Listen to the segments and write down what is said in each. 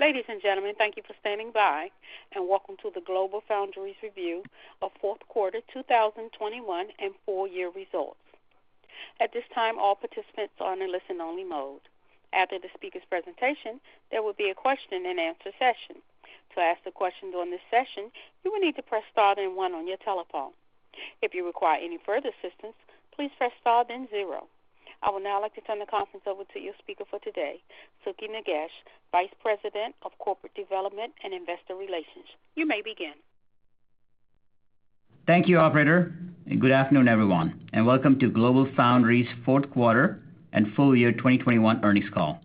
Ladies and gentlemen, thank you for standing by, and welcome to the GlobalFoundries review of fourth quarter 2021 and full year results. At this time, all participants are in listen only mode. After the speaker's presentation, there will be a question and answer session. To ask the questions during this session, you will need to press star then one on your telephone. If you require any further assistance, please press star then zero. I would now like to turn the conference over to your speaker for today, Sukhi Nagesh, Vice President of Corporate Development and Investor Relations. You may begin. Thank you, operator, and good afternoon, everyone, and welcome to GlobalFoundries fourth quarter and full year 2021 earnings call.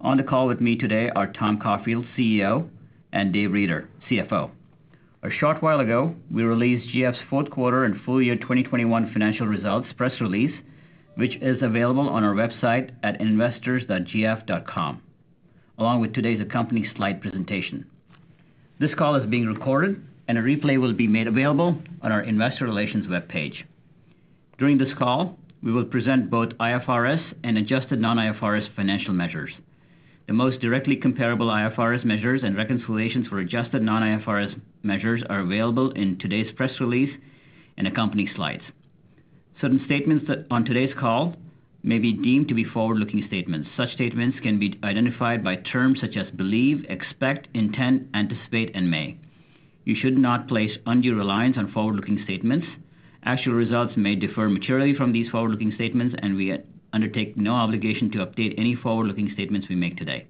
On the call with me today are Thomas Caulfield, CEO, and Dave Reader, CFO. A short while ago, we released GF's fourth quarter and full year 2021 financial results press release, which is available on our website at investors.gf.com, along with today's accompanying slide presentation. This call is being recorded, and a replay will be made available on our investor relations webpage. During this call, we will present both IFRS and adjusted non-IFRS financial measures. The most directly comparable IFRS measures and reconciliations for adjusted non-IFRS measures are available in today's press release and accompanying slides. Certain statements on today's call may be deemed to be forward-looking statements. Such statements can be identified by terms such as believe, expect, intend, anticipate, and may. You should not place undue reliance on forward-looking statements. Actual results may differ materially from these forward-looking statements, and we undertake no obligation to update any forward-looking statements we make today.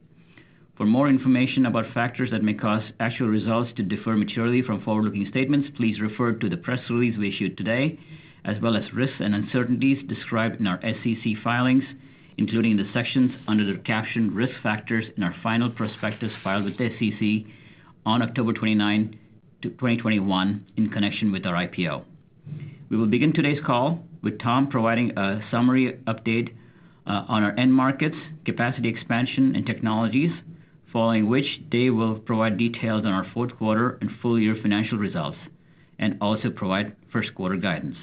For more information about factors that may cause actual results to differ materially from forward-looking statements, please refer to the press release we issued today, as well as risks and uncertainties described in our SEC filings, including the sections under the caption Risk Factors in our final prospectus filed with the SEC on October 29, 2021 in connection with our IPO. We will begin today's call with Tom providing a summary update on our end markets, capacity expansion and technologies, following which Dave will provide details on our fourth quarter and full year financial results and also provide first quarter guidance.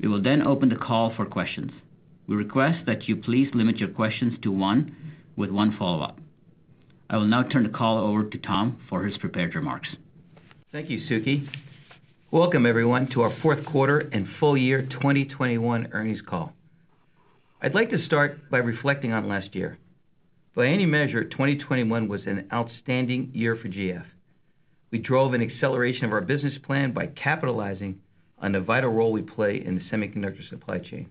We will then open the call for questions. We request that you please limit your questions to one with one follow-up. I will now turn the call over to Tom for his prepared remarks. Thank you, Sukhi. Welcome, everyone, to our fourth quarter and full year 2021 earnings call. I'd like to start by reflecting on last year. By any measure, 2021 was an outstanding year for GF. We drove an acceleration of our business plan by capitalizing on the vital role we play in the semiconductor supply chain.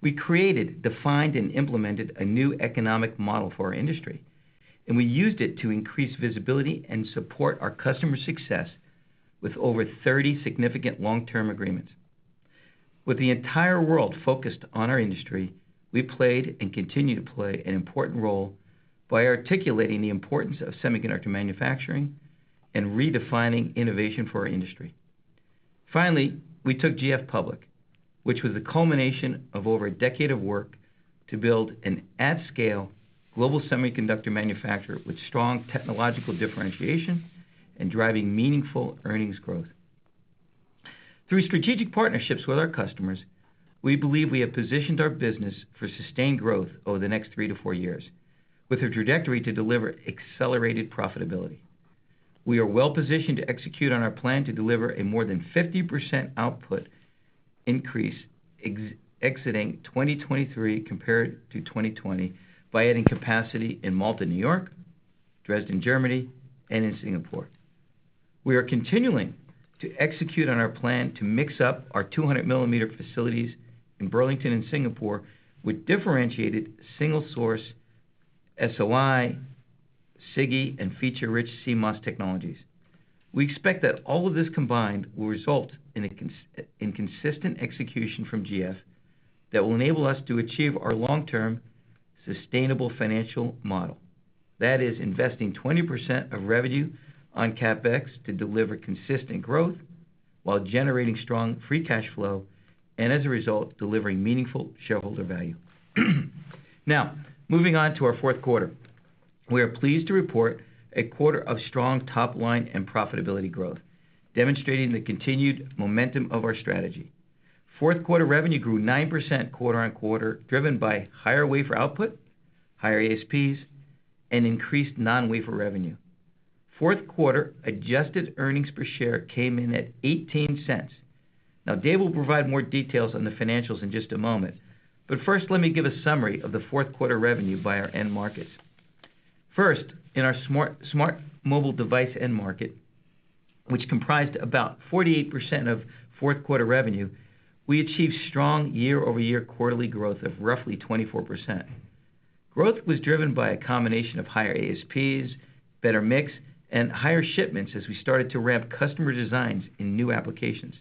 We created, defined, and implemented a new economic model for our industry, and we used it to increase visibility and support our customer success with over 30 significant long-term agreements. With the entire world focused on our industry, we played and continue to play an important role by articulating the importance of semiconductor manufacturing and redefining innovation for our industry. Finally, we took GF public, which was a culmination of over a decade of work to build an at scale global semiconductor manufacturer with strong technological differentiation and driving meaningful earnings growth. Through strategic partnerships with our customers, we believe we have positioned our business for sustained growth over the next 3-4 years with a trajectory to deliver accelerated profitability. We are well-positioned to execute on our plan to deliver a more than 50% output increase exiting 2023 compared to 2020 by adding capacity in Malta, New York, Dresden, Germany, and in Singapore. We are continuing to execute on our plan to mix up our 200-millimeter facilities in Burlington and Singapore with differentiated single source SOI, SiGe, and feature-rich CMOS technologies. We expect that all of this combined will result in consistent execution from GF that will enable us to achieve our long-term sustainable financial model. That is investing 20% of revenue on CapEx to deliver consistent growth while generating strong free cash flow and, as a result, delivering meaningful shareholder value. Now, moving on to our fourth quarter. We are pleased to report a quarter of strong top line and profitability growth, demonstrating the continued momentum of our strategy. Fourth quarter revenue grew 9% quarter-over-quarter, driven by higher wafer output, higher ASPs, and increased non-wafer revenue. Fourth quarter adjusted earnings per share came in at $0.18. Now, Dave will provide more details on the financials in just a moment, but first, let me give a summary of the fourth quarter revenue by our end markets. First, in our smart mobile device end market, which comprised about 48% of fourth quarter revenue, we achieved strong year-over-year quarterly growth of roughly 24%. Growth was driven by a combination of higher ASPs, better mix, and higher shipments as we started to ramp customer designs in new applications.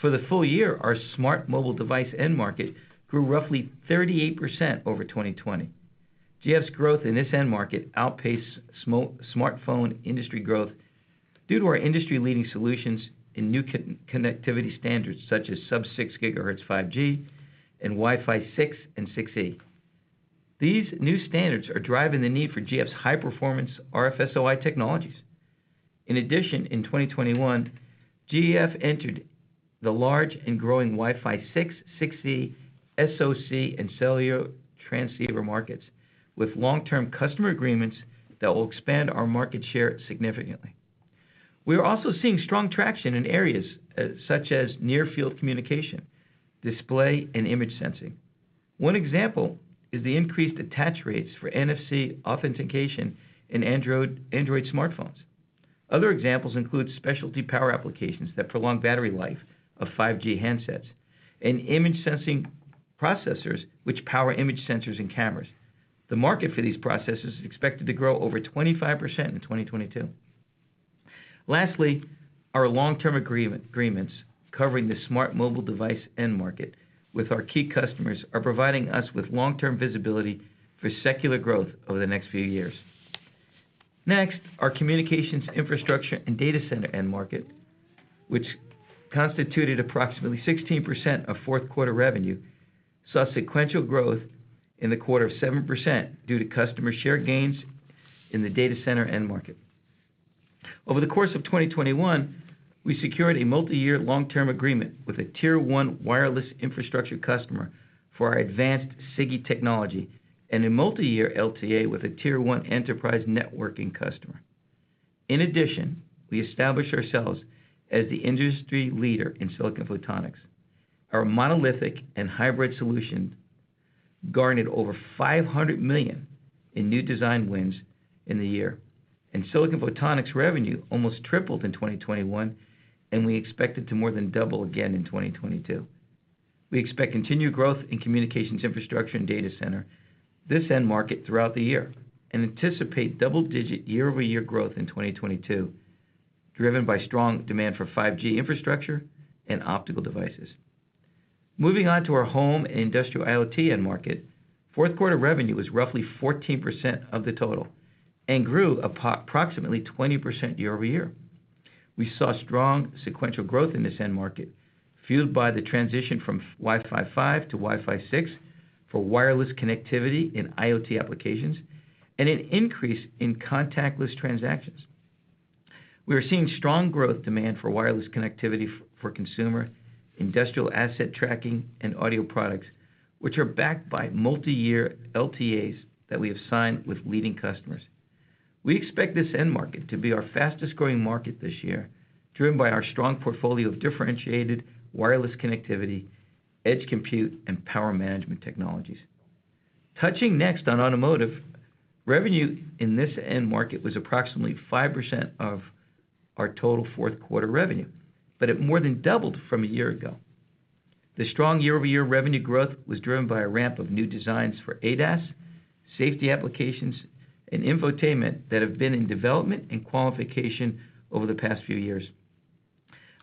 For the full year, our smart mobile device end market grew roughly 38% over 2020. GF's growth in this end market outpaced smartphone industry growth due to our industry-leading solutions in new connectivity standards such as sub-6 gigahertz, 5G, and Wi-Fi 6 and 6E. These new standards are driving the need for GF's high-performance RF SOI technologies. In addition, in 2021, GF entered the large and growing Wi-Fi 6E SoC and cellular transceiver markets with long-term customer agreements that will expand our market share significantly. We are also seeing strong traction in areas such as near field communication, display, and image sensing. One example is the increased attach rates for NFC authentication in Android smartphones. Other examples include specialty power applications that prolong battery life of 5G handsets and image sensing processors which power image sensors and cameras. The market for these processors is expected to grow over 25% in 2022. Lastly, our long-term agreements covering the smart mobile device end market with our key customers are providing us with long-term visibility for secular growth over the next few years. Next, our communications infrastructure and data center end market, which constituted approximately 16% of fourth quarter revenue, saw sequential growth in the quarter of 7% due to customer share gains in the data center end market. Over the course of 2021, we secured a multiyear long-term agreement with a tier one wireless infrastructure customer for our advanced SiGe technology and a multi-year LTA with a tier one enterprise networking customer. In addition, we established ourselves as the industry leader in silicon photonics. Our monolithic and hybrid solution garnered over $500 million in new design wins in the year, and silicon photonics revenue almost tripled in 2021, and we expect it to more than double again in 2022. We expect continued growth in communications infrastructure and data center, this end market, throughout the year, and anticipate double-digit year-over-year growth in 2022, driven by strong demand for 5G infrastructure and optical devices. Moving on to our home industrial IoT end market. Fourth quarter revenue was roughly 14% of the total and grew approximately 20% year-over-year. We saw strong sequential growth in this end market, fueled by the transition from Wi-Fi 5 to Wi-Fi 6 for wireless connectivity in IoT applications and an increase in contactless transactions. We are seeing strong growth demand for wireless connectivity for consumer, industrial asset tracking, and audio products, which are backed by multi-year LTAs that we have signed with leading customers. We expect this end market to be our fastest-growing market this year, driven by our strong portfolio of differentiated wireless connectivity, edge compute, and power management technologies. Touching next on automotive. Revenue in this end market was approximately 5% of our total fourth quarter revenue, but it more than doubled from a year ago. The strong year-over-year revenue growth was driven by a ramp of new designs for ADAS, safety applications, and infotainment that have been in development and qualification over the past few years.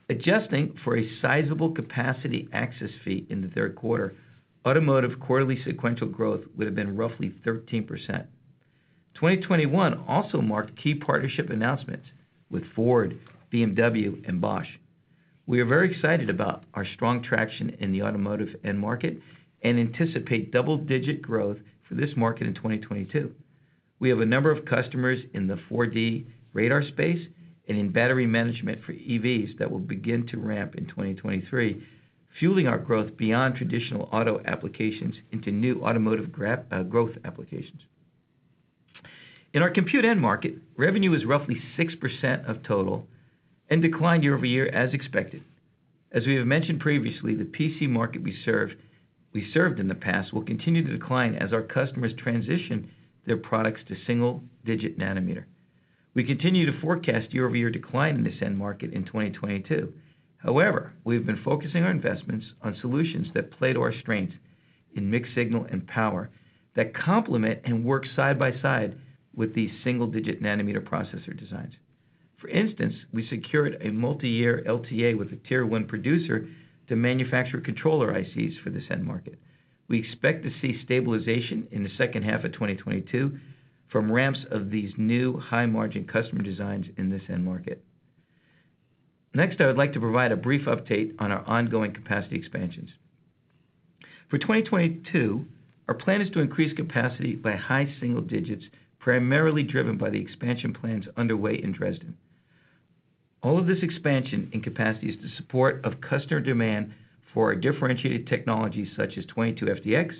Adjusting for a sizable capacity access fee in the third quarter, automotive quarterly sequential growth would have been roughly 13%. 2021 also marked key partnership announcements with Ford, BMW, and Bosch. We are very excited about our strong traction in the automotive end market and anticipate double-digit growth for this market in 2022. We have a number of customers in the 4D radar space and in battery management for EVs that will begin to ramp in 2023, fueling our growth beyond traditional auto applications into new automotive growth applications. In our compute end market, revenue is roughly 6% of total and declined year-over-year as expected. As we have mentioned previously, the PC market we served in the past will continue to decline as our customers transition their products to single-digit nanometer. We continue to forecast year-over-year decline in this end market in 2022. However, we have been focusing our investments on solutions that play to our strengths in mixed signal and power that complement and work side by side with the single-digit nanometer processor designs. For instance, we secured a multi-year LTA with a tier one producer to manufacture controller ICs for this end market. We expect to see stabilization in the second half of 2022 from ramps of these new high-margin customer designs in this end market. Next, I would like to provide a brief update on our ongoing capacity expansions. For 2022, our plan is to increase capacity by high single digits, primarily driven by the expansion plans underway in Dresden. All of this expansion and capacity is to support customer demand for our differentiated technologies such as 22 FDX,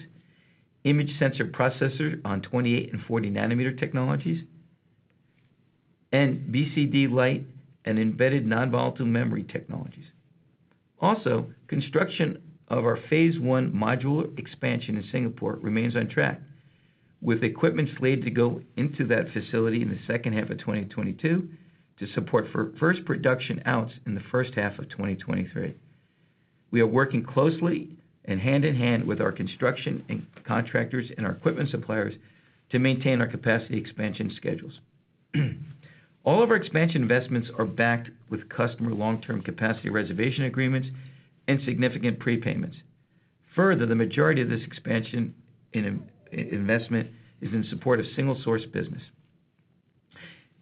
image sensor processors on 28- and 40-nanometer technologies, and BCDLite and embedded non-volatile memory technologies. Also, construction of our phase one module expansion in Singapore remains on track, with equipment slated to go into that facility in the second half of 2022 to support first production outs in the first half of 2023. We are working closely and hand in hand with our construction and contractors and our equipment suppliers to maintain our capacity expansion schedules. All of our expansion investments are backed with customer long-term capacity reservation agreements and significant prepayments. Further, the majority of this expansion investment is in support of single-source business.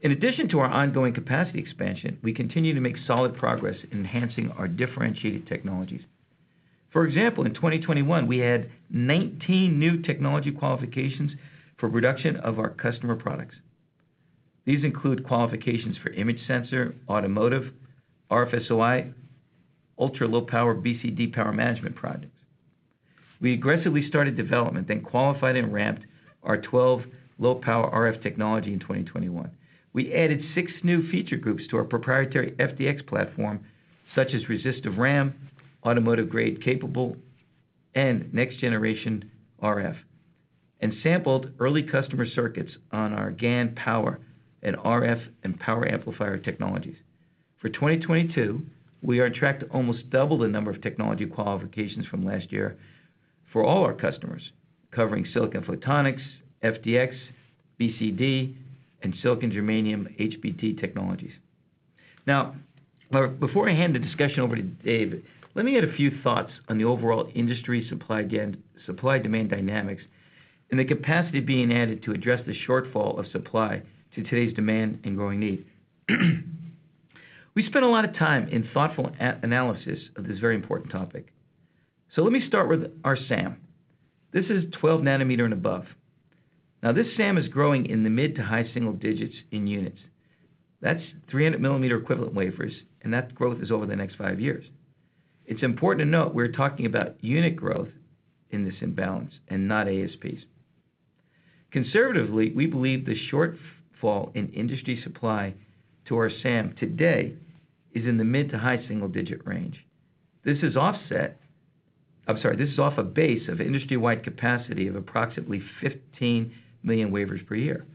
In addition to our ongoing capacity expansion, we continue to make solid progress in enhancing our differentiated technologies. For example, in 2021, we had 19 new technology qualifications for production of our customer products. These include qualifications for image sensor, automotive, RF SOI, ultra-low power BCD power management products. We aggressively started development, then qualified and ramped our 12LP RF technology in 2021. We added six new feature groups to our proprietary FDX platform, such as resistive RAM, automotive-grade capable, and next-generation RF, and sampled early customer circuits on our GaN power and RF and power amplifier technologies. For 2022, we are on track to almost double the number of technology qualifications from last year for all our customers, covering silicon photonics, FDX, BCD, and silicon germanium HBT technologies. Now, before I hand the discussion over to Dave, let me add a few thoughts on the overall industry supply again, supply-demand dynamics and the capacity being added to address the shortfall of supply to today's demand and growing need. We spent a lot of time in thoughtful analysis of this very important topic. Let me start with our SAM. This is 12 nanometer and above. Now, this SAM is growing in the mid- to high-single digits in units. That's 300-millimeter equivalent wafers, and that growth is over the next five years. It's important to note we're talking about unit growth in this imbalance and not ASPs. Conservatively, we believe the shortfall in industry supply to our SAM today is in the mid- to high-single-digit range. I'm sorry, this is off a base of industry-wide capacity of approximately 15 million wafers per year.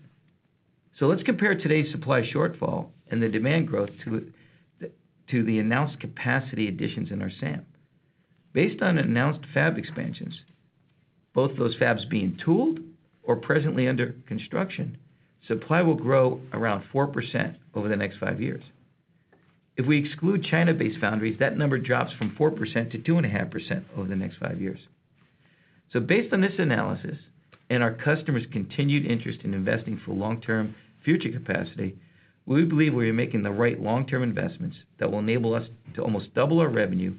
Let's compare today's supply shortfall and the demand growth to the announced capacity additions in our SAM. Based on announced fab expansions, both those fabs being tooled or presently under construction, supply will grow around 4% over the next five years. If we exclude China-based foundries, that number drops from 4% to 2.5% over the next five years. Based on this analysis and our customers' continued interest in investing for long-term future capacity, we believe we are making the right long-term investments that will enable us to almost double our revenue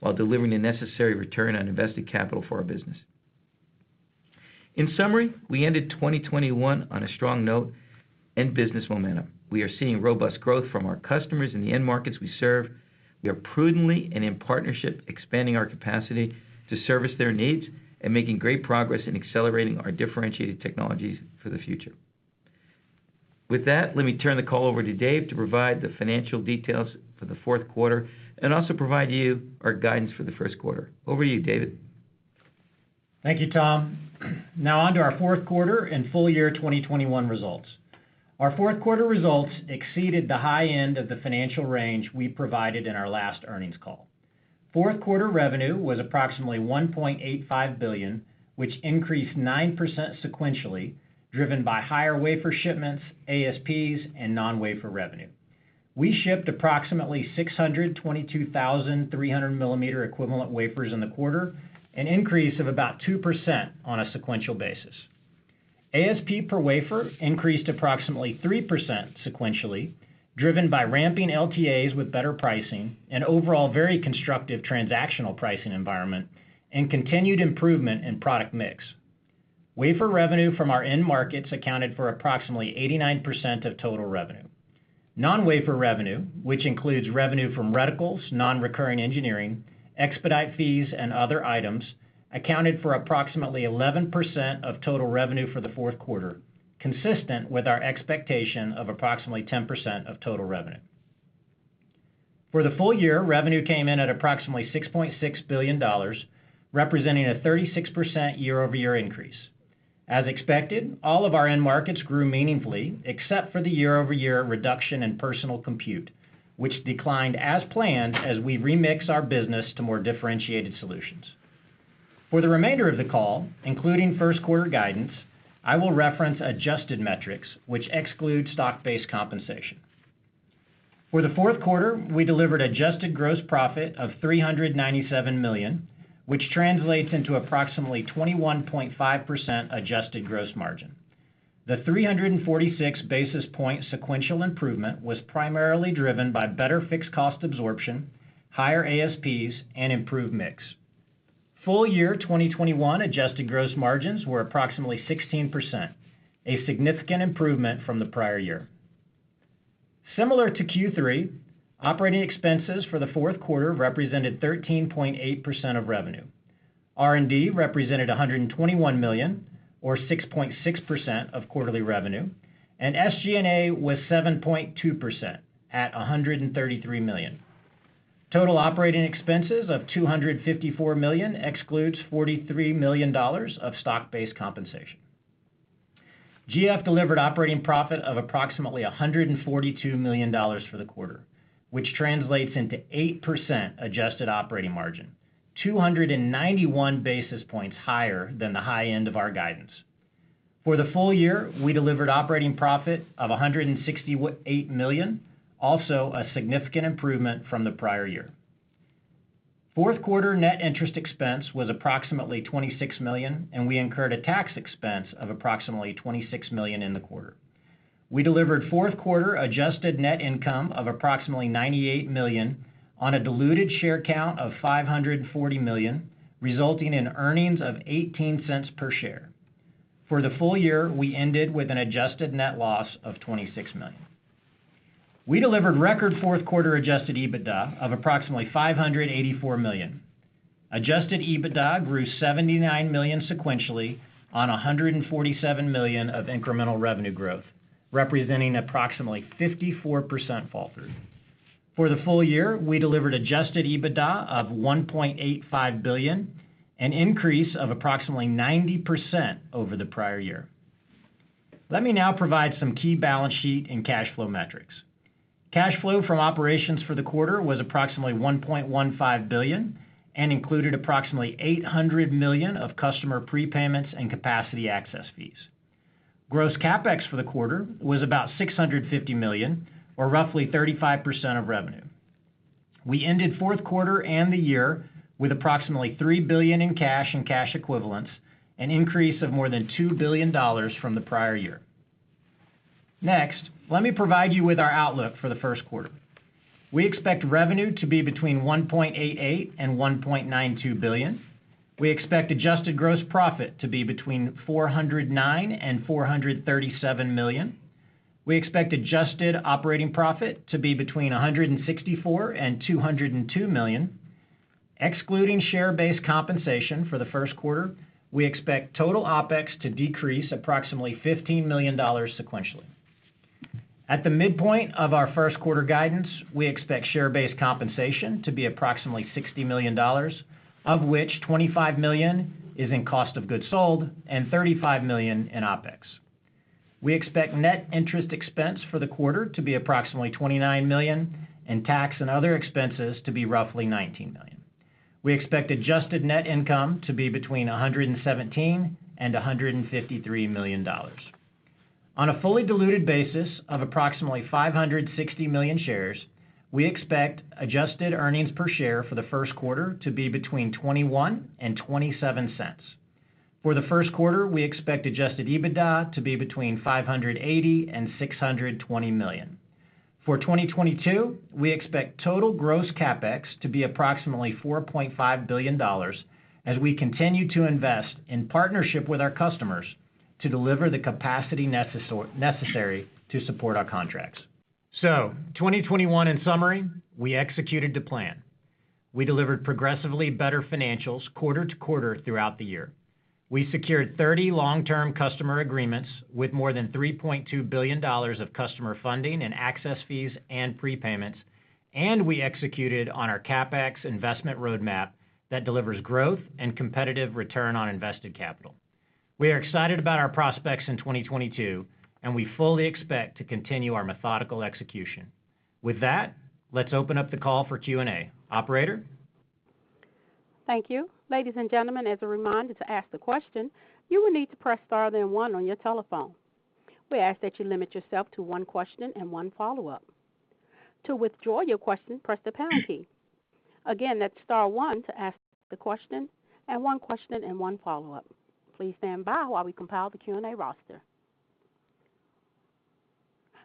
while delivering the necessary return on invested capital for our business. In summary, we ended 2021 on a strong note and business momentum. We are seeing robust growth from our customers in the end markets we serve. We are prudently and in partnership expanding our capacity to service their needs and making great progress in accelerating our differentiated technologies for the future. With that, let me turn the call over to Dave to provide the financial details for the fourth quarter and also provide you our guidance for the first quarter. Over to you, David. Thank you, Tom. Now on to our fourth quarter and full year 2021 results. Our fourth quarter results exceeded the high end of the financial range we provided in our last earnings call. Fourth quarter revenue was approximately $1.85 billion, which increased 9% sequentially, driven by higher wafer shipments, ASPs, and non-wafer revenue. We shipped approximately 622,000 300 mm equivalent wafers in the quarter, an increase of about 2% on a sequential basis. ASP per wafer increased approximately 3% sequentially, driven by ramping LTAs with better pricing, an overall very constructive transactional pricing environment, and continued improvement in product mix. Wafer revenue from our end markets accounted for approximately 89% of total revenue. Non-wafer revenue, which includes revenue from reticles, non-recurring engineering, expedite fees, and other items, accounted for approximately 11% of total revenue for the fourth quarter, consistent with our expectation of approximately 10% of total revenue. For the full year, revenue came in at approximately $6.6 billion, representing a 36% year-over-year increase. As expected, all of our end markets grew meaningfully, except for the year-over-year reduction in personal compute, which declined as planned as we remix our business to more differentiated solutions. For the remainder of the call, including first quarter guidance, I will reference adjusted metrics, which exclude stock-based compensation. For the fourth quarter, we delivered adjusted gross profit of $397 million, which translates into approximately 21.5% adjusted gross margin. The 346 basis point sequential improvement was primarily driven by better fixed cost absorption, higher ASPs, and improved mix. Full year 2021 adjusted gross margins were approximately 16%, a significant improvement from the prior year. Similar to Q3, operating expenses for the fourth quarter represented 13.8% of revenue. R&D represented $121 million or 6.6% of quarterly revenue, and SG&A was 7.2% at $133 million. Total operating expenses of $254 million excludes $43 million of stock-based compensation. GF delivered operating profit of approximately $142 million for the quarter, which translates into 8% adjusted operating margin, 291 basis points higher than the high end of our guidance. For the full year, we delivered operating profit of $168 million, also a significant improvement from the prior year. Fourth quarter net interest expense was approximately $26 million, and we incurred a tax expense of approximately $26 million in the quarter. We delivered fourth quarter adjusted net income of approximately $98 million on a diluted share count of 540 million, resulting in earnings of $0.18 per share. For the full year, we ended with an adjusted net loss of $26 million. We delivered record fourth quarter adjusted EBITDA of approximately $584 million. Adjusted EBITDA grew $79 million sequentially on $147 million of incremental revenue growth, representing approximately 54% flow-through. For the full year, we delivered adjusted EBITDA of $1.85 billion, an increase of approximately 90% over the prior year. Let me now provide some key balance sheet and cash flow metrics. Cash flow from operations for the quarter was approximately $1.15 billion and included approximately $800 million of customer prepayments and capacity access fees. Gross CapEx for the quarter was about $650 million, or roughly 35% of revenue. We ended fourth quarter and the year with approximately $3 billion in cash and cash equivalents, an increase of more than $2 billion from the prior year. Next, let me provide you with our outlook for the first quarter. We expect revenue to be between $1.88 billion and $1.92 billion. We expect adjusted gross profit to be between $409 million and $437 million. We expect adjusted operating profit to be between $164 million and $202 million. Excluding share-based compensation for the first quarter, we expect total OpEx to decrease approximately $15 million sequentially. At the midpoint of our first quarter guidance, we expect share-based compensation to be approximately $60 million, of which $25 million is in cost of goods sold and $35 million in OpEx. We expect net interest expense for the quarter to be approximately $29 million and tax and other expenses to be roughly $19 million. We expect adjusted net income to be between $117 million and $153 million. On a fully diluted basis of approximately 560 million shares, we expect adjusted earnings per share for the first quarter to be between $0.21 and $0.27. For the first quarter, we expect adjusted EBITDA to be between $580 million and $620 million. For 2022, we expect total gross CapEx to be approximately $4.5 billion as we continue to invest in partnership with our customers to deliver the capacity necessary to support our contracts. 2021 in summary, we executed to plan. We delivered progressively better financials quarter to quarter throughout the year. We secured 30 long-term customer agreements with more than $3.2 billion of customer funding and access fees and prepayments, and we executed on our CapEx investment roadmap that delivers growth and competitive return on invested capital. We are excited about our prospects in 2022, and we fully expect to continue our methodical execution. With that, let's open up the call for Q&A. Operator? Thank you. Ladies and gentlemen, as a reminder, to ask the question, you will need to press star then one on your telephone. We ask that you limit yourself to one question and one follow-up. To withdraw your question, press the pound key. Again, that's star one to ask the question, and one question and one follow-up. Please stand by while we compile the Q&A roster.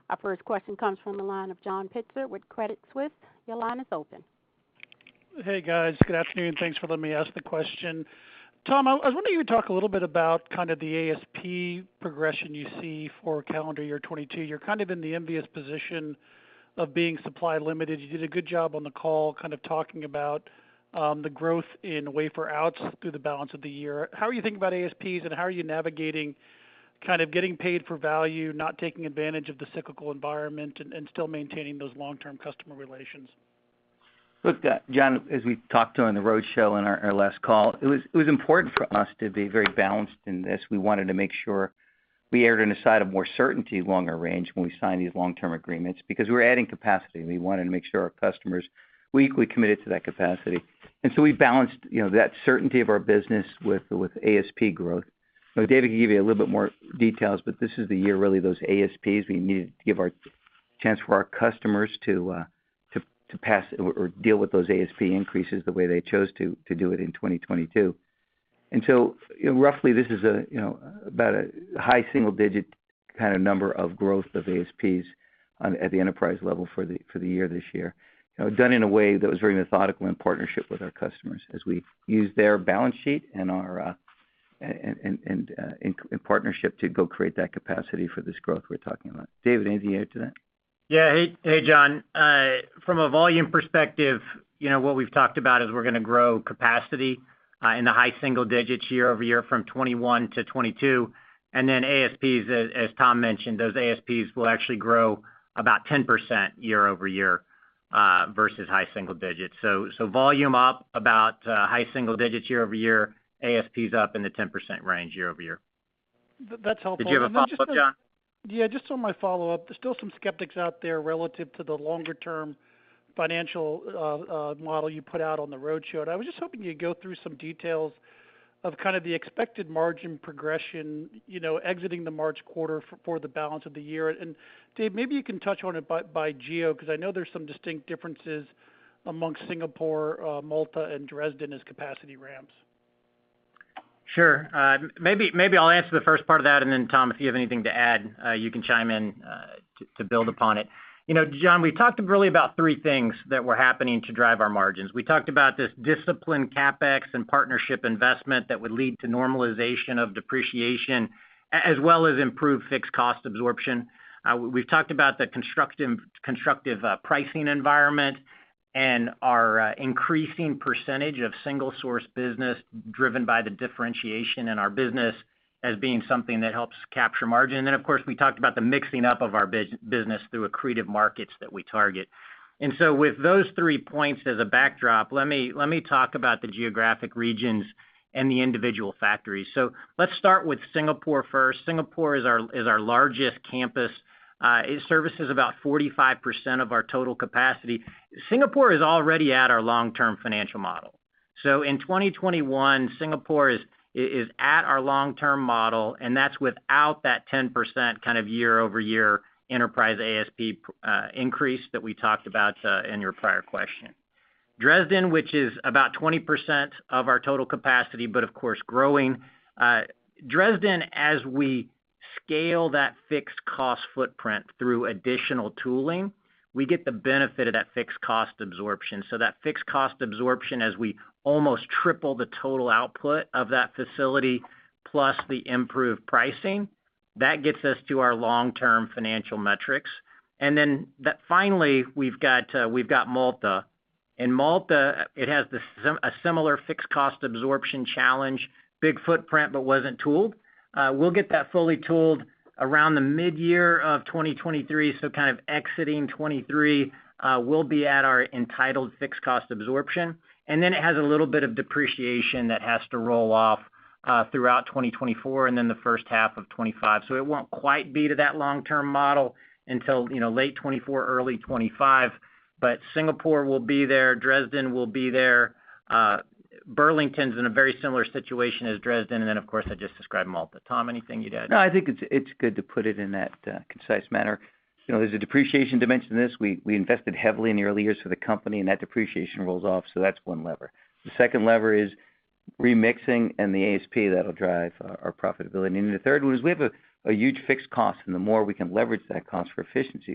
Our first question comes from the line of John Pitzer with Credit Suisse. Your line is open. Hey, guys. Good afternoon. Thanks for letting me ask the question. Tom, I was wondering if you could talk a little bit about kind of the ASP progression you see for calendar year 2022. You're kind of in the envious position of being supply limited. You did a good job on the call kind of talking about the growth in wafer outs through the balance of the year. How are you thinking about ASPs, and how are you navigating kind of getting paid for value, not taking advantage of the cyclical environment and still maintaining those long-term customer relations? Look, John, as we talked to on the roadshow in our last call, it was important for us to be very balanced in this. We wanted to make sure we erred on the side of more certainty, longer range when we sign these long-term agreements because we're adding capacity. We wanted to make sure our customers we committed to that capacity. We balanced, you know, that certainty of our business with ASP growth. Now, David can give you a little bit more details, but this is the year really those ASPs we needed to give our chance for our customers to pass or deal with those ASP increases the way they chose to do it in 2022. You know, roughly this is a you know, about a high single digit kind of number of growth of ASPs on at the enterprise level for the year this year. You know, done in a way that was very methodical in partnership with our customers as we use their balance sheet and our and in partnership to go create that capacity for this growth we're talking about. David, anything to add to that? Yeah. Hey, John. From a volume perspective, you know, what we've talked about is we're gonna grow capacity in the high single digits year-over-year from 2021 to 2022. ASPs, as Tom mentioned, those ASPs will actually grow about 10% year-over-year versus high single digits. Volume up about high single digits year-over-year, ASPs up in the 10% range year-over-year. That's helpful. Did you have a follow-up, John? Yeah, just on my follow-up, there's still some skeptics out there relative to the longer-term financial model you put out on the roadshow. I was just hoping you'd go through some details of kind of the expected margin progression, you know, exiting the March quarter for the balance of the year. Dave, maybe you can touch on it by geo, because I know there's some distinct differences amongst Singapore, Malta, and Dresden as capacity ramps. Sure. Maybe I'll answer the first part of that, and then Tom, if you have anything to add, you can chime in to build upon it. You know, John, we talked really about three things that were happening to drive our margins. We talked about this disciplined CapEx and partnership investment that would lead to normalization of depreciation as well as improved fixed cost absorption. We've talked about the constructive pricing environment and our increasing percentage of single source business driven by the differentiation in our business as being something that helps capture margin. Of course, we talked about the mixing up of our business through accretive markets that we target. With those three points as a backdrop, let me talk about the geographic regions and the individual factories. Let's start with Singapore first. Singapore is our largest campus. It services about 45% of our total capacity. Singapore is already at our long-term financial model. In 2021 Singapore is at our long-term model, and that's without that 10% kind of year-over-year enterprise ASP increase that we talked about in your prior question. Dresden, which is about 20% of our total capacity, but of course growing. Dresden, as we scale that fixed cost footprint through additional tooling, we get the benefit of that fixed cost absorption. That fixed cost absorption as we almost triple the total output of that facility plus the improved pricing, that gets us to our long-term financial metrics. Finally, we've got Malta. In Malta, it has a similar fixed cost absorption challenge, big footprint, but wasn't tooled. We'll get that fully tooled around the midyear of 2023, so kind of exiting 2023, we'll be at our entitled fixed cost absorption. Then it has a little bit of depreciation that has to roll off throughout 2024 and then the first half of 2025. It won't quite be to that long-term model until, you know, late 2024, early 2025. Singapore will be there, Dresden will be there. Burlington's in a very similar situation as Dresden, and then, of course, I just described Malta. Tom, anything you'd add? No, I think it's good to put it in that concise manner. You know, there's a depreciation dimension to this. We invested heavily in the early years for the company, and that depreciation rolls off, so that's one lever. The second lever is remixing and the ASP that'll drive our profitability. The third one is we have a huge fixed cost, and the more we can leverage that cost for efficiency.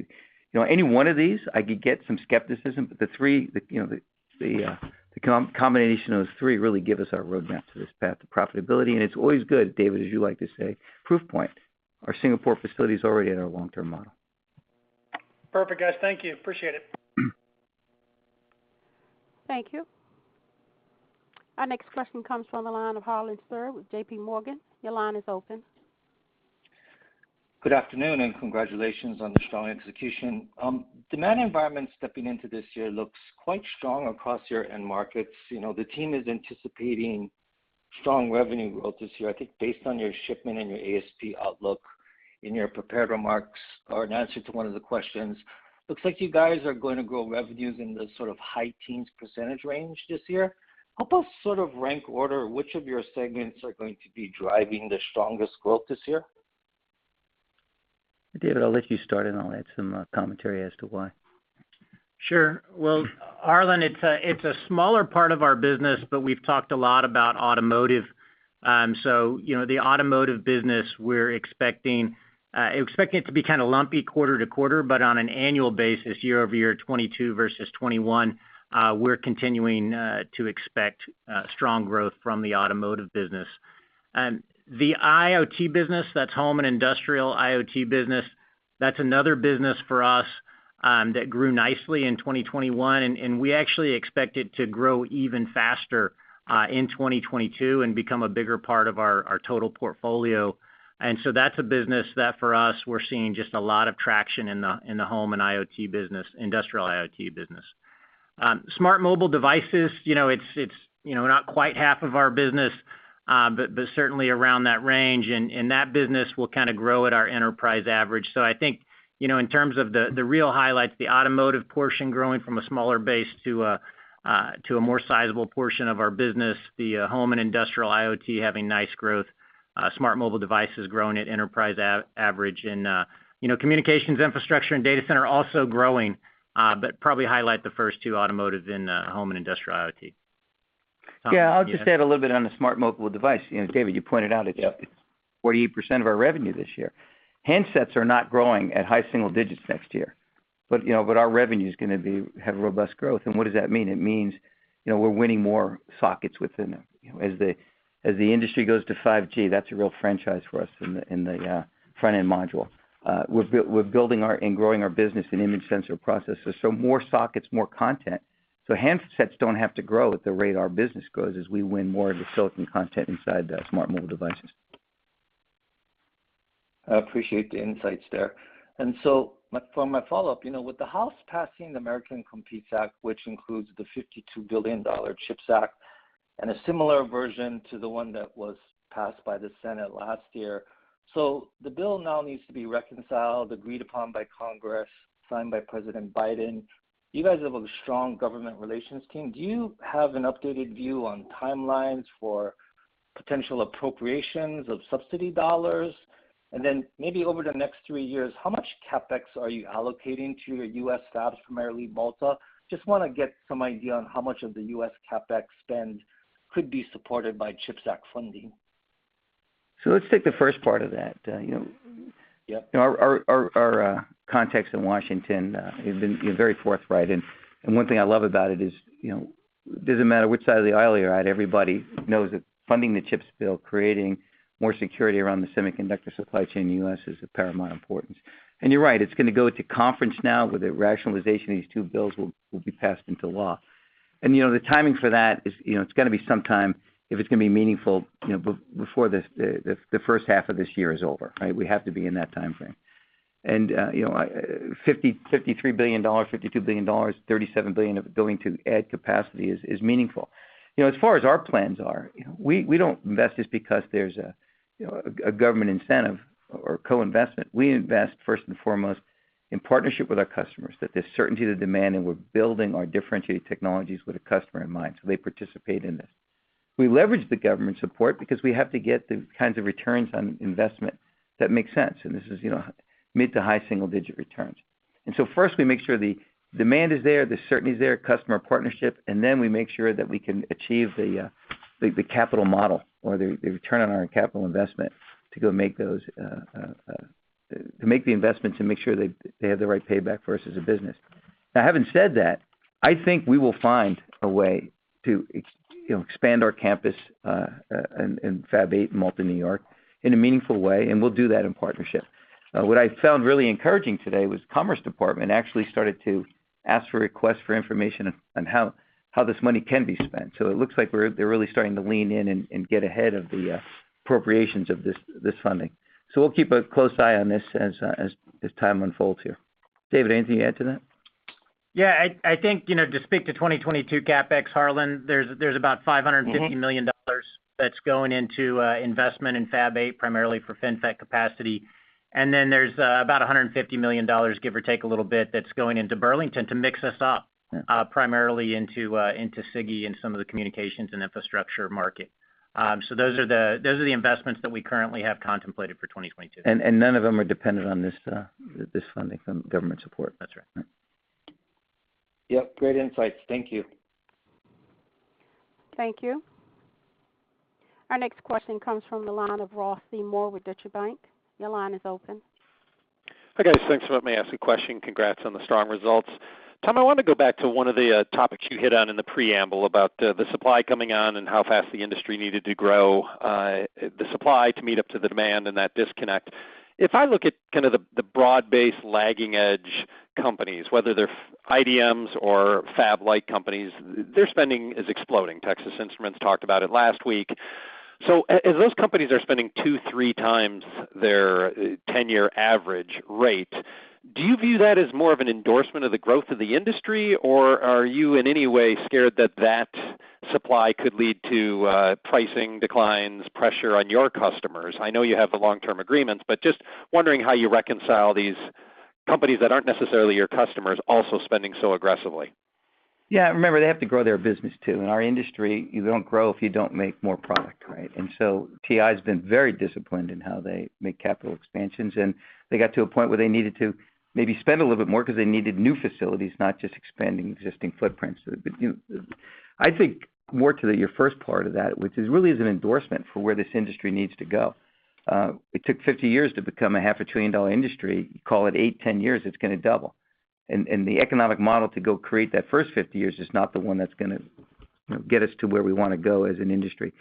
You know, any one of these, I could get some skepticism, but the three, you know, the combination of those three really give us our roadmap to this path to profitability. It's always good, David, as you like to say, proof point, our Singapore facility is already at our long-term model. Perfect, guys. Thank you. Appreciate it. Thank you. Our next question comes from the line of Harlan Sur with J.P. Morgan. Your line is open. Good afternoon, and congratulations on the strong execution. Demand environment stepping into this year looks quite strong across your end markets. The team is anticipating strong revenue growth this year. I think based on your shipment and your ASP outlook in your prepared remarks or an answer to one of the questions, looks like you guys are going to grow revenues in the sort of high teens percentage range this year. Help us sort of rank order which of your segments are going to be driving the strongest growth this year? Dave, I'll let you start, and I'll add some commentary as to why. Sure. Well, Harlan, it's a smaller part of our business, but we've talked a lot about automotive. So you know, the automotive business we're expecting it to be kind of lumpy quarter-to-quarter, but on an annual basis, year-over-year, 2022 versus 2021, we're continuing to expect strong growth from the automotive business. The IoT business, that's home and industrial IoT business, that's another business for us that grew nicely in 2021, and we actually expect it to grow even faster in 2022 and become a bigger part of our total portfolio. That's a business that for us, we're seeing just a lot of traction in the home and industrial IoT business. Smart mobile devices, you know, it's not quite half of our business, but certainly around that range. That business will kind of grow at our enterprise average. I think, you know, in terms of the real highlights, the automotive portion growing from a smaller base to a more sizable portion of our business, the home and industrial IoT having nice growth, smart mobile devices growing at enterprise average. You know, communications infrastructure and data center also growing, but probably highlight the first two, automotive and home and industrial IoT. Yeah. I'll just add a little bit on the smart mobile device. You know, David, you pointed out it's 48% of our revenue this year. Handsets are not growing at high single digits next year, but, you know, our revenue's gonna have robust growth. What does that mean? It means, you know, we're winning more sockets within them. You know, as the industry goes to 5G, that's a real franchise for us in the front-end module. We're building our and growing our business in image sensor processors, so more sockets, more content. Handsets don't have to grow at the rate our business grows as we win more of the silicon content inside the smart mobile devices. I appreciate the insights there. For my follow-up, you know, with the House passing the America Competes Act, which includes the $52 billion CHIPS Act, and a similar version to the one that was passed by the Senate last year. The bill now needs to be reconciled, agreed upon by Congress, signed by President Biden. You guys have a strong government relations team. Do you have an updated view on timelines for potential appropriations of subsidy dollars? Then maybe over the next three years, how much CapEx are you allocating to your U.S. fabs, primarily Malta? Just want to get some idea on how much of the U.S. CapEx spend could be supported by CHIPS Act funding. Let's take the first part of that. Yep. Our contacts in Washington have been, you know, very forthright. One thing I love about it is, you know, doesn't matter which side of the aisle you're at, everybody knows that funding the CHIPS Act, creating more security around the semiconductor supply chain in the U.S. is of paramount importance. You're right, it's going to go to conference now, where the rationalization of these two bills will be passed into law. You know, the timing for that is, you know, it's got to be sometime, if it's going to be meaningful, you know, before the first half of this year is over, right? We have to be in that time frame. You know, $53 billion, $52 billion, $37 billion going to add capacity is meaningful. You know, as far as our plans are, you know, we don't invest just because there's you know, a government incentive or co-investment. We invest first and foremost in partnership with our customers, that there's certainty to demand, and we're building our differentiated technologies with a customer in mind, so they participate in this. We leverage the government support because we have to get the kinds of returns on investment that make sense, and this is, you know, mid to high single-digit returns. First we make sure the demand is there, the certainty is there, customer partnership, and then we make sure that we can achieve the capital model or the return on our capital investment to make the investments and make sure they have the right payback for us as a business. Now having said that, I think we will find a way to you know, expand our campus in Fab 8 in Malta, New York, in a meaningful way, and we'll do that in partnership. What I found really encouraging today was U.S. Department of Commerce actually started to ask for requests for information on how this money can be spent. It looks like they're really starting to lean in and get ahead of the appropriations of this funding. We'll keep a close eye on this as time unfolds here. Dave, anything to add to that? Yeah, I think, you know, to speak to 2022 CapEx, Harlan, there's about $550 million that's going into investment in Fab 8, primarily for FinFET capacity. There's about $150 million, give or take a little bit, that's going into Burlington to mix us up, primarily into SiGe and some of the communications and infrastructure market. Those are the investments that we currently have contemplated for 2022. None of them are dependent on this funding from government support. That's right. All right. Yep, great insights. Thank you. Thank you. Our next question comes from the line of Ross Seymore with Deutsche Bank. Your line is open. Hi, guys. Thanks for letting me ask a question. Congrats on the strong results. Tom, I want to go back to one of the topics you hit on in the preamble about the supply coming on and how fast the industry needed to grow the supply to meet up to the demand and that disconnect. If I look at kind of the broad-based lagging edge companies, whether they're IDMs or fab-lite companies, their spending is exploding. Texas Instruments talked about it last week. As those companies are spending 2-3 times their 10-year average rate, do you view that as more of an endorsement of the growth of the industry, or are you in any way scared that that supply could lead to pricing declines, pressure on your customers? I know you have the long-term agreements, but just wondering how you reconcile these companies that aren't necessarily your customers also spending so aggressively. Yeah. Remember, they have to grow their business, too. In our industry, you don't grow if you don't make more product, right? TI's been very disciplined in how they make capital expansions, and they got to a point where they needed to maybe spend a little bit more because they needed new facilities, not just expanding existing footprints. You know, I think more to the your first part of that, which is really an endorsement for where this industry needs to go. It took 50 years to become a half a trillion-dollar industry. Call it eight, 10 years, it's going to double. The economic model to go create that first 50 years is not the one that's going to, you know, get us to where we want to go as an industry.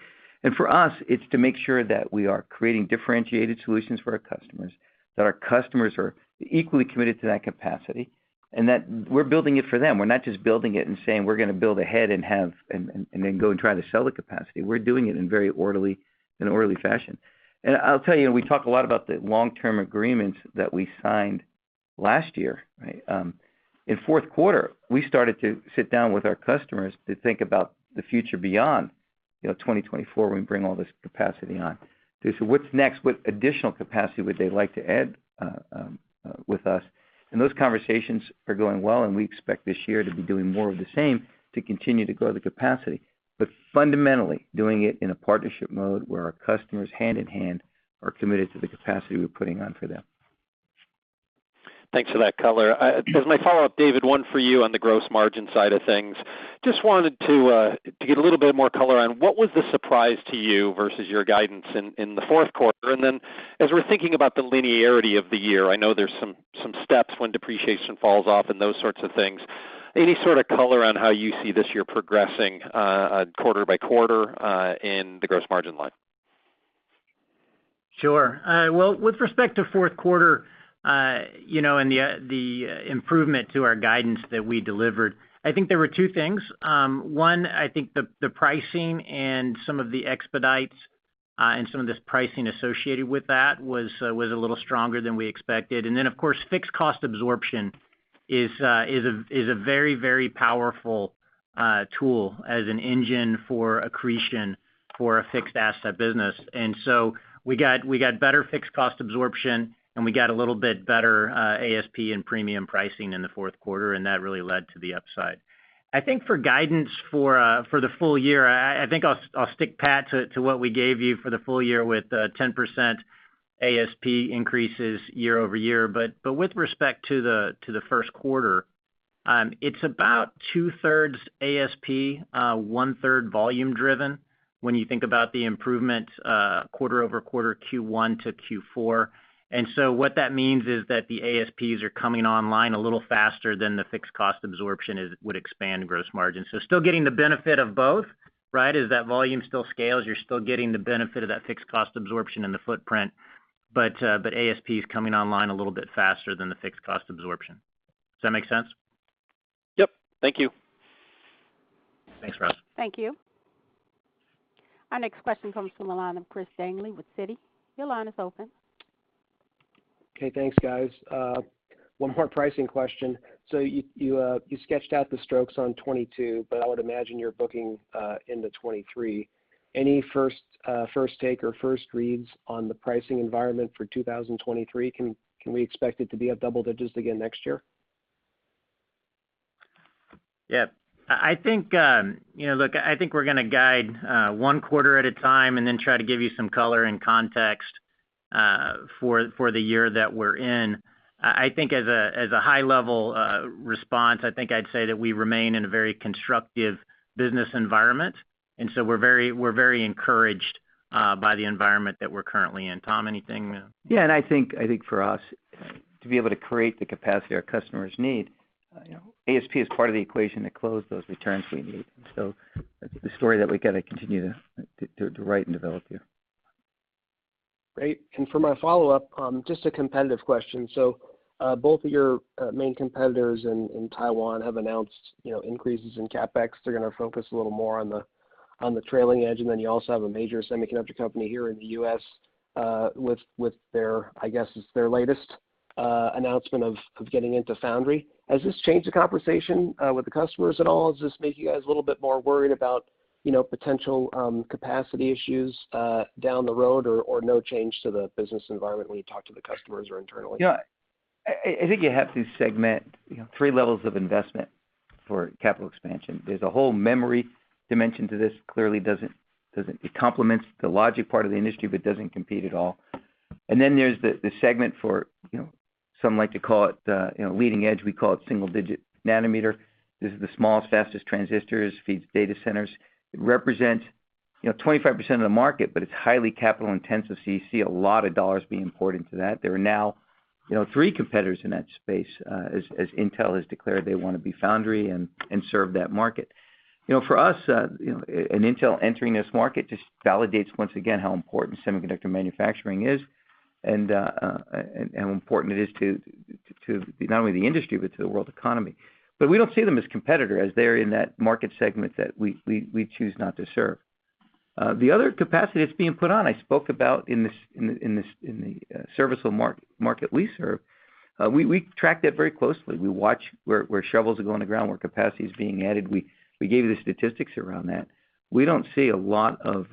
For us, it's to make sure that we are creating differentiated solutions for our customers, that our customers are equally committed to that capacity, and that we're building it for them. We're not just building it and saying we're going to build ahead and have and then go and try to sell the capacity. We're doing it in an orderly fashion. I'll tell you, we talk a lot about the long-term agreements that we signed last year, right? In fourth quarter, we started to sit down with our customers to think about the future beyond, you know, 2024, when we bring all this capacity on. To say, what's next? What additional capacity would they like to add with us? Those conversations are going well, and we expect this year to be doing more of the same to continue to grow the capacity. Fundamentally, doing it in a partnership mode where our customers, hand in hand, are committed to the capacity we're putting on for them. Thanks for that color. As my follow-up, David, one for you on the gross margin side of things. Just wanted to get a little bit more color on what was the surprise to you versus your guidance in the fourth quarter? Then as we're thinking about the linearity of the year, I know there's some steps when depreciation falls off and those sorts of things. Any sort of color on how you see this year progressing, quarter by quarter, in the gross margin line? Sure. Well, with respect to fourth quarter, you know, and the improvement to our guidance that we delivered, I think there were two things. One, I think the pricing and some of the expedites and some of this pricing associated with that was a little stronger than we expected. Of course, fixed cost absorption is a very powerful tool as an engine for accretion for a fixed asset business. We got better fixed cost absorption, and we got a little bit better ASP and premium pricing in the fourth quarter, and that really led to the upside. I think for guidance for the full year, I think I'll stick, Pat, to what we gave you for the full year with 10% ASP increases year-over-year. But with respect to the first quarter, it's about two-thirds ASP, one-third volume driven when you think about the improvement quarter-over-quarter Q1 to Q4. What that means is that the ASPs are coming online a little faster than the fixed cost absorption would expand gross margin. Still getting the benefit of both, right? As that volume still scales, you're still getting the benefit of that fixed cost absorption in the footprint, but ASP is coming online a little bit faster than the fixed cost absorption. Does that make sense? Yep. Thank you. Thanks, Ross. Thank you. Our next question comes from the line of Christopher Danely with Citi. Your line is open. Okay, thanks, guys. One more pricing question. You sketched out the strokes on 2022, but I would imagine you're booking into 2023. Any first take or first reads on the pricing environment for 2023? Can we expect it to be up double digits again next year? Yeah. I think, you know, look, I think we're gonna guide one quarter at a time and then try to give you some color and context for the year that we're in. I think as a high level response, I think I'd say that we remain in a very constructive business environment, and so we're very encouraged by the environment that we're currently in. Tom, anything, you know? Yeah. I think for us to be able to create the capacity our customers need, you know, ASP is part of the equation to close those returns we need. That's the story that we're gonna continue to write and develop here. Great. For my follow-up, just a competitive question. Both of your main competitors in Taiwan have announced, you know, increases in CapEx. They're gonna focus a little more on the trailing edge, and then you also have a major semiconductor company here in the U.S., with their, I guess it's their latest announcement of getting into foundry. Has this changed the conversation with the customers at all? Does this make you guys a little bit more worried about, you know, potential capacity issues down the road or no change to the business environment when you talk to the customers or internally? Yeah. I think you have to segment, you know, three levels of investment for capital expansion. There's a whole memory dimension to this. Clearly it complements the logic part of the industry, but doesn't compete at all. There's the segment for, you know, some like to call it, you know, leading edge. We call it single digit nanometer. This is the smallest, fastest transistors, feeds data centers. It represents, you know, 25% of the market, but it's highly capital intensive, so you see a lot of dollars being poured into that. There are now, you know, three competitors in that space, as Intel has declared they wanna be foundry and serve that market. You know, for us, you know, and Intel entering this market just validates once again how important semiconductor manufacturing is and how important it is to not only the industry, but to the world economy. We don't see them as competitor as they're in that market segment that we choose not to serve. The other capacity that's being put on, I spoke about in the serviceable market we serve. We track that very closely. We watch where shovels are going on the ground, where capacity is being added. We gave you the statistics around that. We don't see a lot of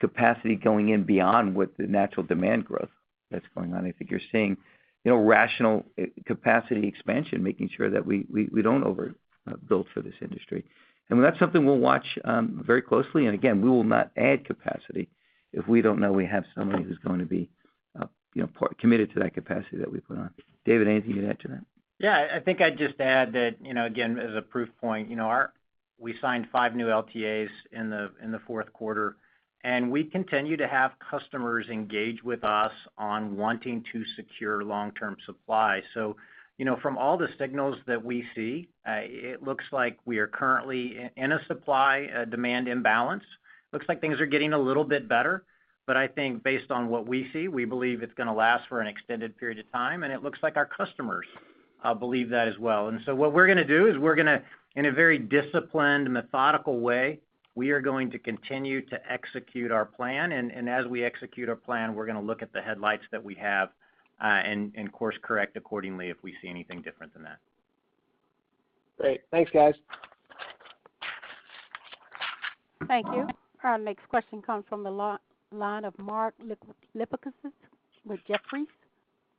capacity going in beyond what the natural demand growth that's going on. I think you're seeing, you know, rational capacity expansion, making sure that we don't overbuild for this industry. That's something we'll watch very closely. Again, we will not add capacity if we don't know we have somebody who's going to be, you know, committed to that capacity that we put on. David, anything to add to that? Yeah. I think I'd just add that, you know, again, as a proof point, you know, we signed five new LTAs in the fourth quarter, and we continue to have customers engage with us on wanting to secure long-term supply. You know, from all the signals that we see, it looks like we are currently in a supply demand imbalance. Looks like things are getting a little bit better, but I think based on what we see, we believe it's gonna last for an extended period of time, and it looks like our customers believe that as well. What we're gonna do is, in a very disciplined, methodical way, we are going to continue to execute our plan. As we execute our plan, we're gonna look at the headlights that we have, and course correct accordingly if we see anything different than that. Great. Thanks, guys. Thank you. Our next question comes from the line of Mark Lipacis with Jefferies.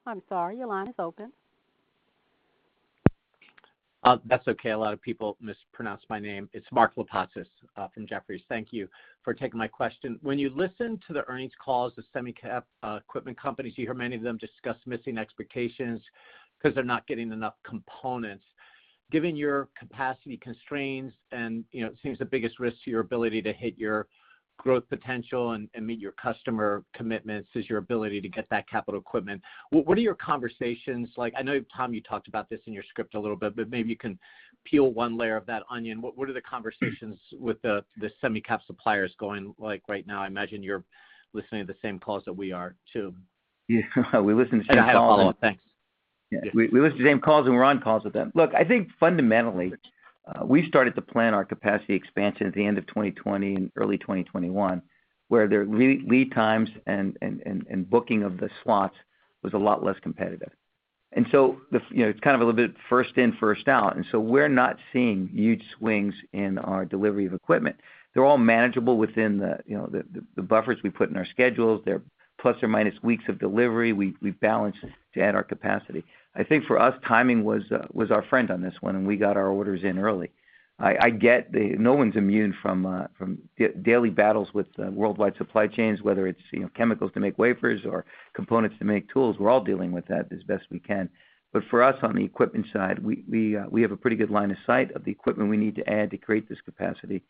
I'm sorry, your line is open. That's okay. A lot of people mispronounce my name. Mark Lipacis from Jefferies. Thank you for taking my question. When you listen to the earnings calls of semi cap equipment companies, you hear many of them discuss missing expectations 'cause they're not getting enough components. Given your capacity constraints and, you know, it seems the biggest risk to your ability to hit your growth potential and meet your customer commitments is your ability to get that capital equipment. What are your conversations like? I know, Tom, you talked about this in your script a little bit, but maybe you can peel one layer of that onion. What are the conversations with the semi cap suppliers going like right now? I imagine you're listening to the same calls that we are too. Yeah. We listen to the same calls. I don't have a follow-up. Thanks. Yeah. We listen to the same calls and we're on calls with them. Look, I think fundamentally, we started to plan our capacity expansion at the end of 2020 and early 2021, where their lead times and booking of the slots was a lot less competitive. You know, it's kind of a little bit first in, first out, and so we're not seeing huge swings in our delivery of equipment. They're all manageable within the, you know, the buffers we put in our schedules. They're plus or minus weeks of delivery. We balance to add our capacity. I think for us, timing was our friend on this one, and we got our orders in early. I get it, no one's immune from daily battles with worldwide supply chains, whether it's, you know, chemicals to make wafers or components to make tools. We're all dealing with that as best we can. For us, on the equipment side, we have a pretty good line of sight of the equipment we need to add to create this capacity.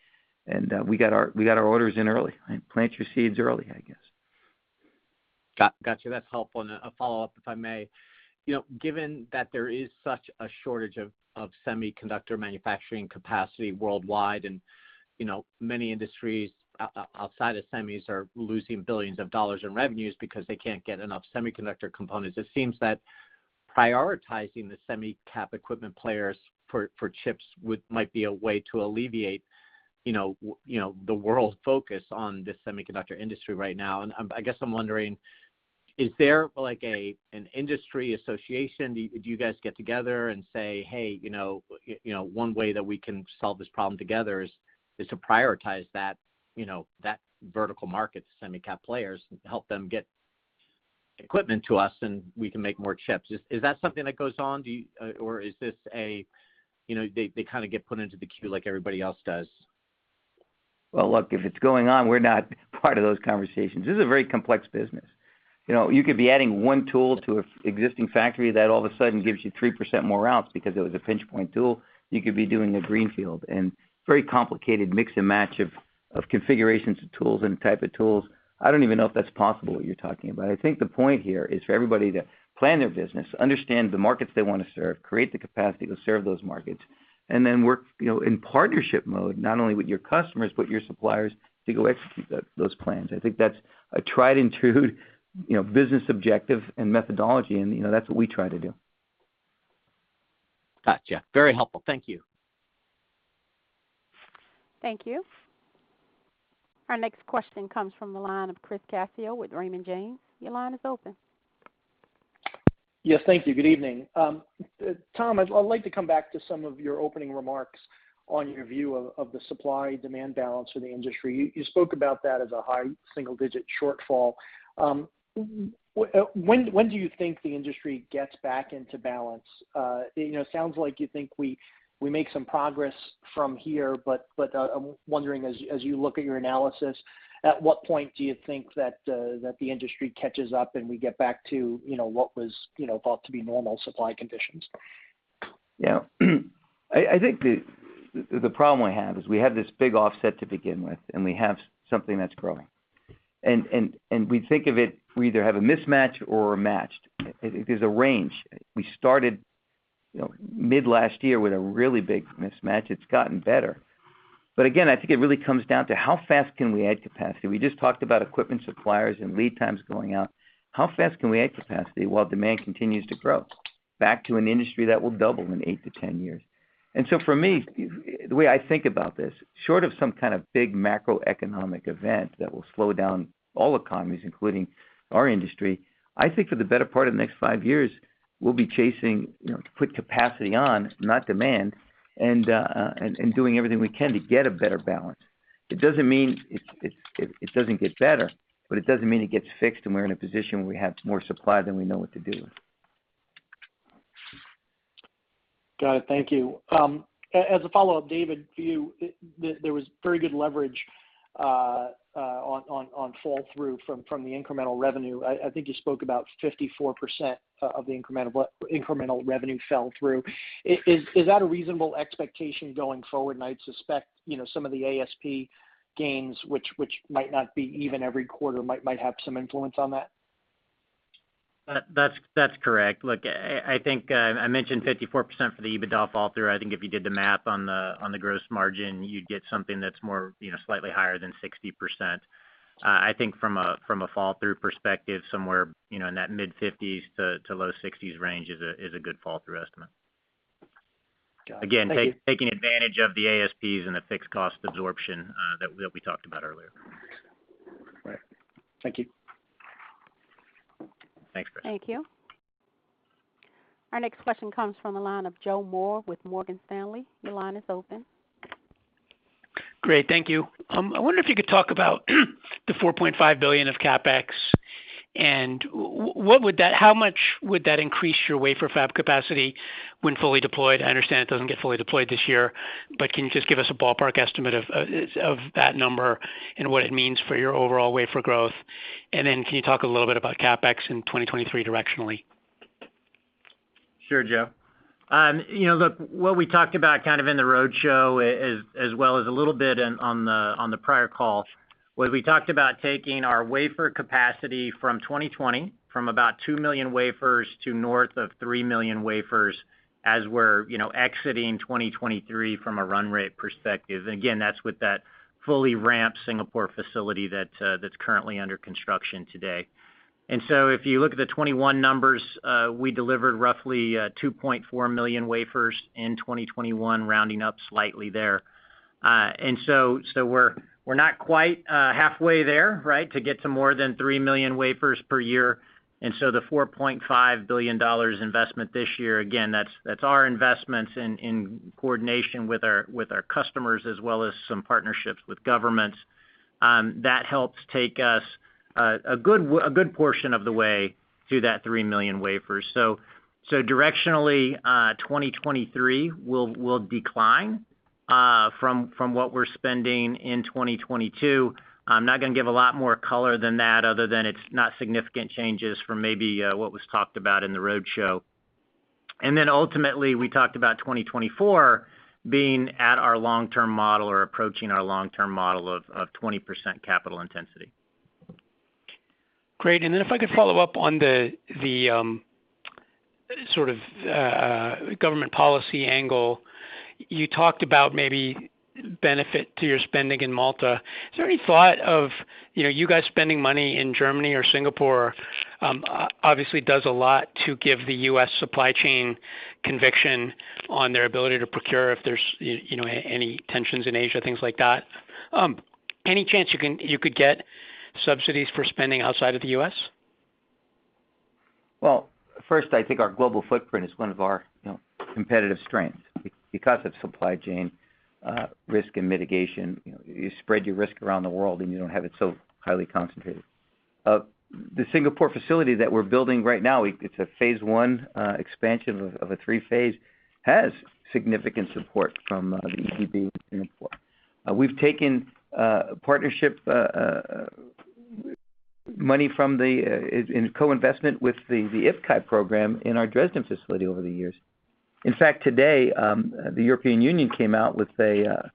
We got our orders in early. Plant your seeds early, I guess. Got you. That's helpful. A follow-up, if I may. You know, given that there is such a shortage of semiconductor manufacturing capacity worldwide, and you know, many industries outside of semis are losing billions of dollars in revenues because they can't get enough semiconductor components, it seems that prioritizing the semi cap equipment players for chips might be a way to alleviate, you know, the world focus on the semiconductor industry right now. I guess I'm wondering, is there like an industry association? Do you guys get together and say, "Hey, you know, you know, one way that we can solve this problem together is to prioritize that, you know, that vertical market to semi cap players, help them get equipment to us, and we can make more chips." Is that something that goes on? Do you or is this a, you know, they kind of get put into the queue like everybody else does? Well, look, if it's going on, we're not part of those conversations. This is a very complex business. You know, you could be adding one tool to an existing factory that all of a sudden gives you 3% more routes because it was a pinch point tool. You could be doing a greenfield. Very complicated mix and match of configurations of tools and type of tools. I don't even know if that's possible, what you're talking about. I think the point here is for everybody to plan their business, understand the markets they wanna serve, create the capacity to serve those markets, and then work, you know, in partnership mode, not only with your customers, but your suppliers, to go execute those plans. I think that's a tried and true, you know, business objective and methodology and, you know, that's what we try to do. Gotcha. Very helpful. Thank you. Thank you. Our next question comes from the line of Chris Caso with Raymond James. Your line is open. Yes. Thank you. Good evening. Tom, I'd like to come back to some of your opening remarks on your view of the supply-demand balance for the industry. You spoke about that as a high single digit shortfall. When do you think the industry gets back into balance? You know, sounds like you think we make some progress from here, but I'm wondering, as you look at your analysis, at what point do you think that the industry catches up and we get back to, you know, what was, you know, thought to be normal supply conditions? Yeah. I think the problem we have is we have this big offset to begin with, and we have something that's growing. We think of it, we either have a mismatch or we're matched. There's a range. We started, you know, mid last year with a really big mismatch. It's gotten better. Again, I think it really comes down to how fast can we add capacity. We just talked about equipment suppliers and lead times going out. How fast can we add capacity while demand continues to grow back to an industry that will double in eight to 10 years? For me, the way I think about this, short of some kind of big macroeconomic event that will slow down all economies, including our industry, I think for the better part of the next five years, we'll be chasing, you know, to put capacity on, not demand, and doing everything we can to get a better balance. It doesn't mean it doesn't get better, but it doesn't mean it gets fixed and we're in a position where we have more supply than we know what to do with. Got it. Thank you. As a follow-up, David, to you, there was very good leverage on fall through from the incremental revenue. I think you spoke about 54% of the incremental revenue fell through. Is that a reasonable expectation going forward? I'd suspect, you know, some of the ASP gains, which might not be even every quarter might have some influence on that. That's correct. Look, I think I mentioned 54% for the EBITDA fall through. I think if you did the math on the gross margin, you'd get something that's more, you know, slightly higher than 60%. I think from a fall through perspective, somewhere, you know, in that mid-50s% to low 60s% range is a good fall through estimate. Got it. Thank you. Again, taking advantage of the ASPs and the fixed cost absorption, that we talked about earlier. Right. Thank you. Thanks, Chris. Thank you. Our next question comes from the line of Joseph Moore with Morgan Stanley. Your line is open. Great. Thank you. I wonder if you could talk about the $4.5 billion of CapEx, and how much would that increase your wafer fab capacity when fully deployed? I understand it doesn't get fully deployed this year, but can you just give us a ballpark estimate of that number and what it means for your overall wafer growth? Can you talk a little bit about CapEx in 2023 directionally? Sure, Joe. You know, look, what we talked about kind of in the roadshow, as well as a little bit in the prior call, was we talked about taking our wafer capacity from 2020, from about two million wafers to north of three million wafers as we're exiting 2023 from a run rate perspective. Again, that's with that fully ramped Singapore facility that's currently under construction today. If you look at the 2021 numbers, we delivered roughly 2.4 million wafers in 2021, rounding up slightly there. We're not quite halfway there, right, to get to more than three million wafers per year. The $4.5 billion investment this year, again, that's our investments in coordination with our customers, as well as some partnerships with governments, that helps take us a good portion of the way to that three million wafers. So directionally, 2023 will decline from what we're spending in 2022. I'm not gonna give a lot more color than that other than it's not significant changes from maybe what was talked about in the roadshow. Ultimately, we talked about 2024 being at our long-term model or approaching our long-term model of 20% capital intensity. Great. If I could follow up on the sort of government policy angle. You talked about maybe benefit to your spending in Malta. Is there any thought of, you know, you guys spending money in Germany or Singapore, obviously does a lot to give the U.S. supply chain conviction on their ability to procure if there's, you know, any tensions in Asia, things like that. Any chance you could get subsidies for spending outside of the U.S.? Well, first, I think our global footprint is one of our, you know, competitive strengths because of supply chain risk and mitigation. You know, you spread your risk around the world, and you don't have it so highly concentrated. The Singapore facility that we're building right now, it's a phase one expansion of a three-phase that has significant support from the EDB in Singapore. We've taken partnership money in co-investment with the IPCEI program in our Dresden facility over the years. In fact, today, the European Union came out with a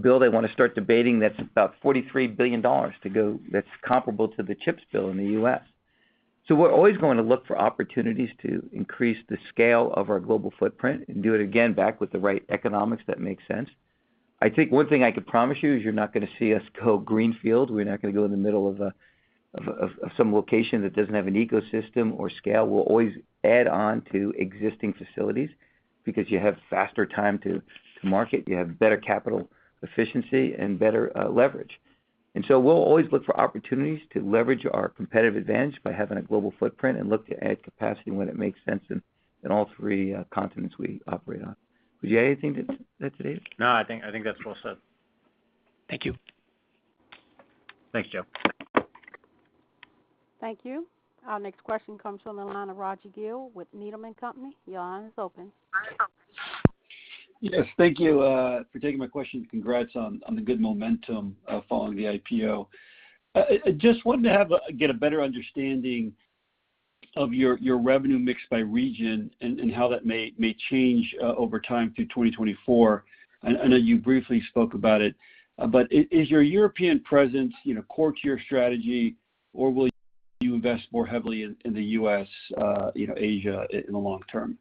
bill they want to start debating that's about $43 billion to go. That's comparable to the CHIPS Act in the U.S. We're always going to look for opportunities to increase the scale of our global footprint and do it again back with the right economics that makes sense. I think one thing I could promise you is you're not going to see us go greenfield. We're not going to go in the middle of some location that doesn't have an ecosystem or scale. We'll always add on to existing facilities because you have faster time to market, you have better capital efficiency and better leverage. We'll always look for opportunities to leverage our competitive advantage by having a global footprint and look to add capacity when it makes sense in all three continents we operate on. Was there anything to add to this? No, I think that's well said. Thank you. Thanks, Joe. Thank you. Our next question comes from the line of Raj Gill with Needham & Company. Your line is open. Yes. Thank you for taking my question. Congrats on the good momentum following the IPO. I just wanted to get a better understanding of your revenue mix by region and how that may change over time through 2024. I know you briefly spoke about it, but is your European presence, you know, core to your strategy, or will you invest more heavily in the U.S., you know, Asia in the long term?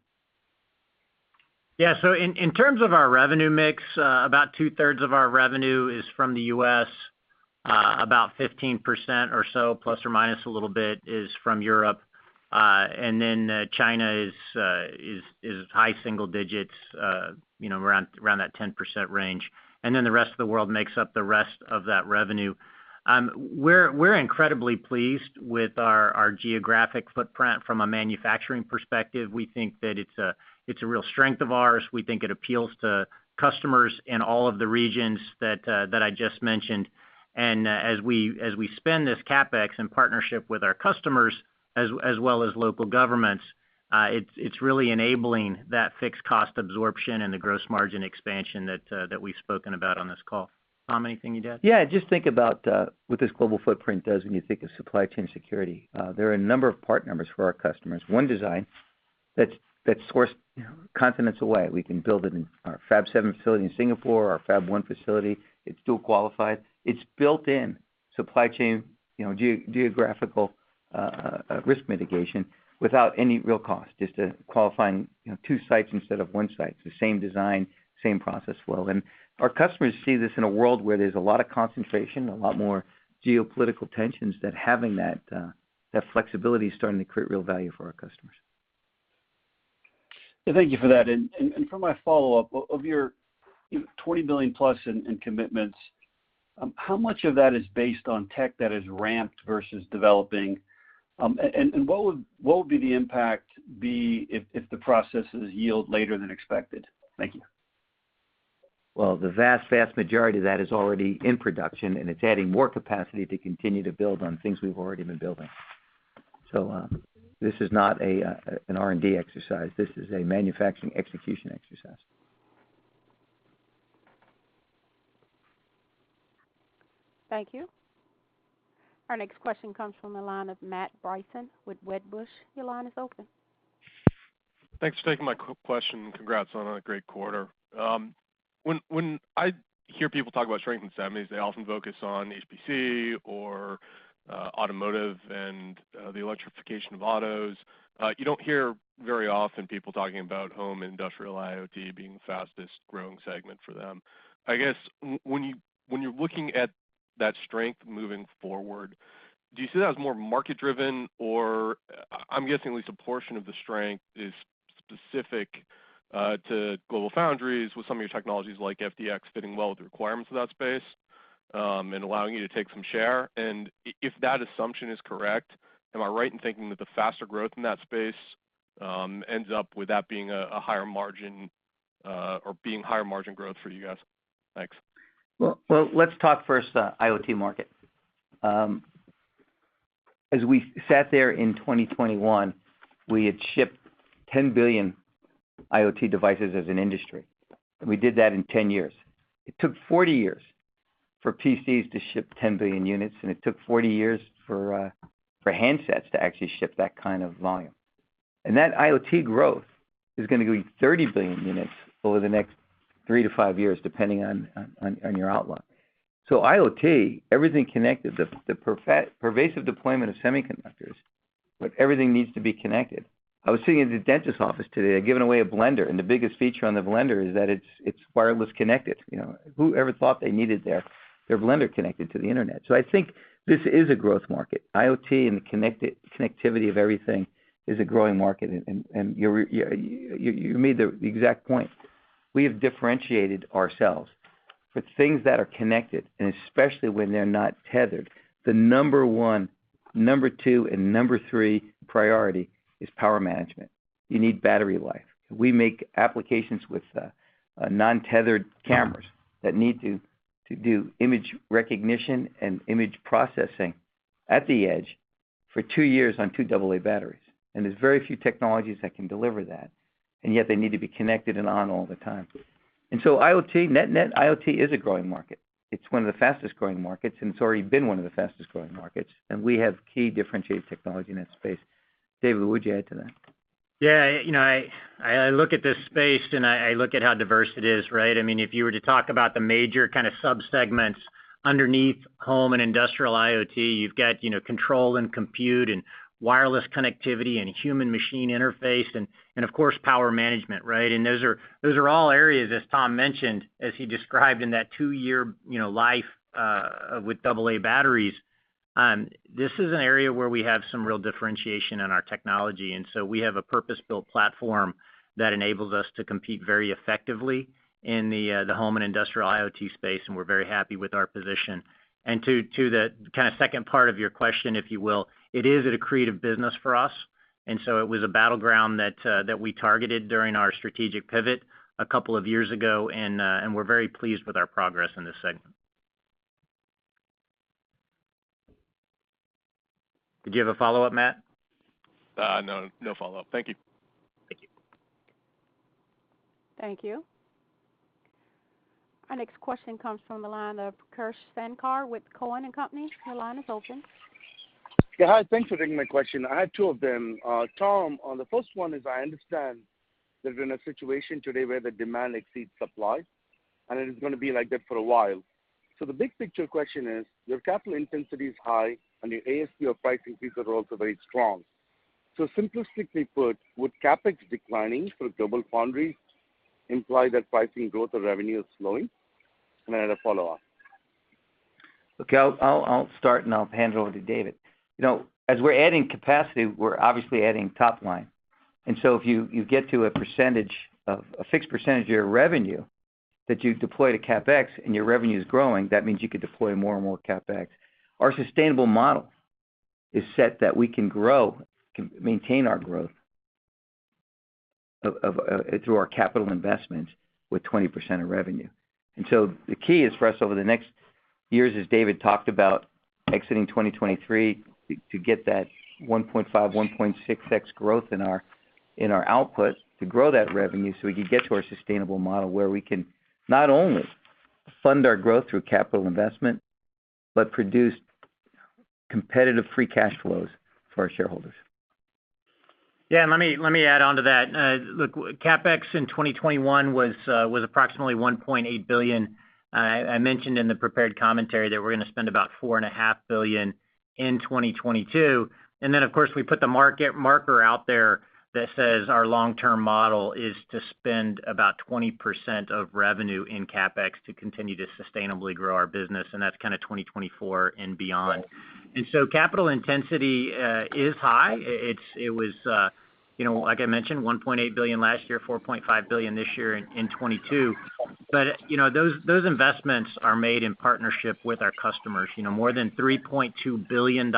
Yeah. In terms of our revenue mix, about two-thirds of our revenue is from the U.S., about 15% or so, plus or minus a little bit, is from Europe. China is high single digits, you know, around that 10% range. The rest of the world makes up the rest of that revenue. We're incredibly pleased with our geographic footprint from a manufacturing perspective. We think that it's a real strength of ours. We think it appeals to customers in all of the regions that I just mentioned as we spend this CapEx in partnership with our customers as well as local governments, it's really enabling that fixed cost absorption and the gross margin expansion that we've spoken about on this call. Tom, anything you'd add? Yeah. Just think about what this global footprint does when you think of supply chain security. There are a number of part numbers for our customers. One design that's sourced, you know, continents away. We can build it in our Fab Seven facility in Singapore, our Fab One facility. It's dual qualified. It's built in supply chain, you know, geographical risk mitigation without any real cost, just to qualifying, you know, two sites instead of one site, the same design, same process flow. Our customers see this in a world where there's a lot of concentration, a lot more geopolitical tensions than having that flexibility is starting to create real value for our customers. Thank you for that. For my follow-up, of your, you know, $20 billion+ in commitments, how much of that is based on tech that is ramped versus developing? What would be the impact if the processes yield later than expected? Thank you. Well, the vast majority of that is already in production, and it's adding more capacity to continue to build on things we've already been building. This is not an R&D exercise. This is a manufacturing execution exercise. Thank you. Our next question comes from the line of Matt Bryson with Wedbush. Your line is open. Thanks for taking my question. Congrats on a great quarter. When I hear people talk about strength in the semis, they often focus on HPC or automotive and the electrification of autos. You don't hear very often people talking about home industrial IoT being the fastest-growing segment for them. I guess when you're looking at that strength moving forward, do you see that as more market-driven? Or I'm guessing at least a portion of the strength is specific to GlobalFoundries with some of your technologies like FDX fitting well with the requirements of that space and allowing you to take some share. If that assumption is correct, am I right in thinking that the faster growth in that space ends up with that being a higher margin or being higher margin growth for you guys? Thanks. Well, let's talk first the IoT market. As we sat there in 2021, we had shipped 10 billion IoT devices as an industry. We did that in 10 years. It took 40 years for PCs to ship 10 billion units, and it took 40 years for handsets to actually ship that kind of volume. That IoT growth is gonna be 30 billion units over the next 3-5 years, depending on your outlook. IoT, everything connected, the pervasive deployment of semiconductors, but everything needs to be connected. I was sitting in the dentist office today. They're giving away a blender, and the biggest feature on the blender is that it's wireless connected. You know, whoever thought they needed their blender connected to the internet. I think this is a growth market. IoT and the connectivity of everything is a growing market. You made the exact point. We have differentiated ourselves. For things that are connected, and especially when they're not tethered, the number one, number two, and number three priority is power management. You need battery life. We make applications with non-tethered cameras that need to do image recognition and image processing at the edge for two years on two double-A batteries, and there's very few technologies that can deliver that. Yet they need to be connected and on all the time. IoT, net-net, is a growing market. It's one of the fastest-growing markets, and it's already been one of the fastest-growing markets, and we have key differentiated technology in that space. David, would you add to that? Yeah. You know, I look at this space, and I look at how diverse it is, right? I mean, if you were to talk about the major kind of sub-segments underneath home and industrial IoT, you've got, you know, control and compute and wireless connectivity and human machine interface and of course, power management, right? Those are all areas, as Tom mentioned, as he described in that two-year life with double-A batteries. This is an area where we have some real differentiation in our technology. We have a purpose-built platform that enables us to compete very effectively in the home and industrial IoT space, and we're very happy with our position. To the kinda second part of your question, if you will, it is an accretive business for us. It was a battleground that we targeted during our strategic pivot a couple of years ago, and we're very pleased with our progress in this segment. Did you have a follow-up, Matt? No follow-up. Thank you. Thank you. Thank you. Our next question comes from the line of Kirsh Sankar with Cowen and Company. Your line is open. Yeah. Hi, thanks for taking my question. I have two of them. Tom, on the first one is, I understand that we're in a situation today where the demand exceeds supply, and it is gonna be like that for a while. The big picture question is, your capital intensity is high and your ASP or pricing fees are also very strong. Simplistically put, would CapEx declining for GlobalFoundries imply that pricing growth or revenue is slowing? Then I had a follow-up. I'll start, and I'll hand it over to David. You know, as we're adding capacity, we're obviously adding top line. If you get to a fixed percentage of your revenue that you deploy to CapEx and your revenue is growing, that means you could deploy more and more CapEx. Our sustainable model is set that we can maintain our growth through our capital investments with 20% of revenue. The key is for us over the next years, as David talked about exiting 2023, to get that 1.5, 1.6x growth in our output to grow that revenue so we could get to our sustainable model where we can not only fund our growth through capital investment but produce competitive free cash flows for our shareholders. Yeah. Let me add on to that. Look, CapEx in 2021 was approximately $1.8 billion. I mentioned in the prepared commentary that we're gonna spend about $4.5 billion in 2022. Of course, we put the market marker out there that says our long-term model is to spend about 20% of revenue in CapEx to continue to sustainably grow our business, and that's kinda 2024 and beyond. Capital intensity is high. It was, you know, like I mentioned, $1.8 billion last year, $4.5 billion this year in 2022. But, you know, those investments are made in partnership with our customers. You know, more than $3.2 billion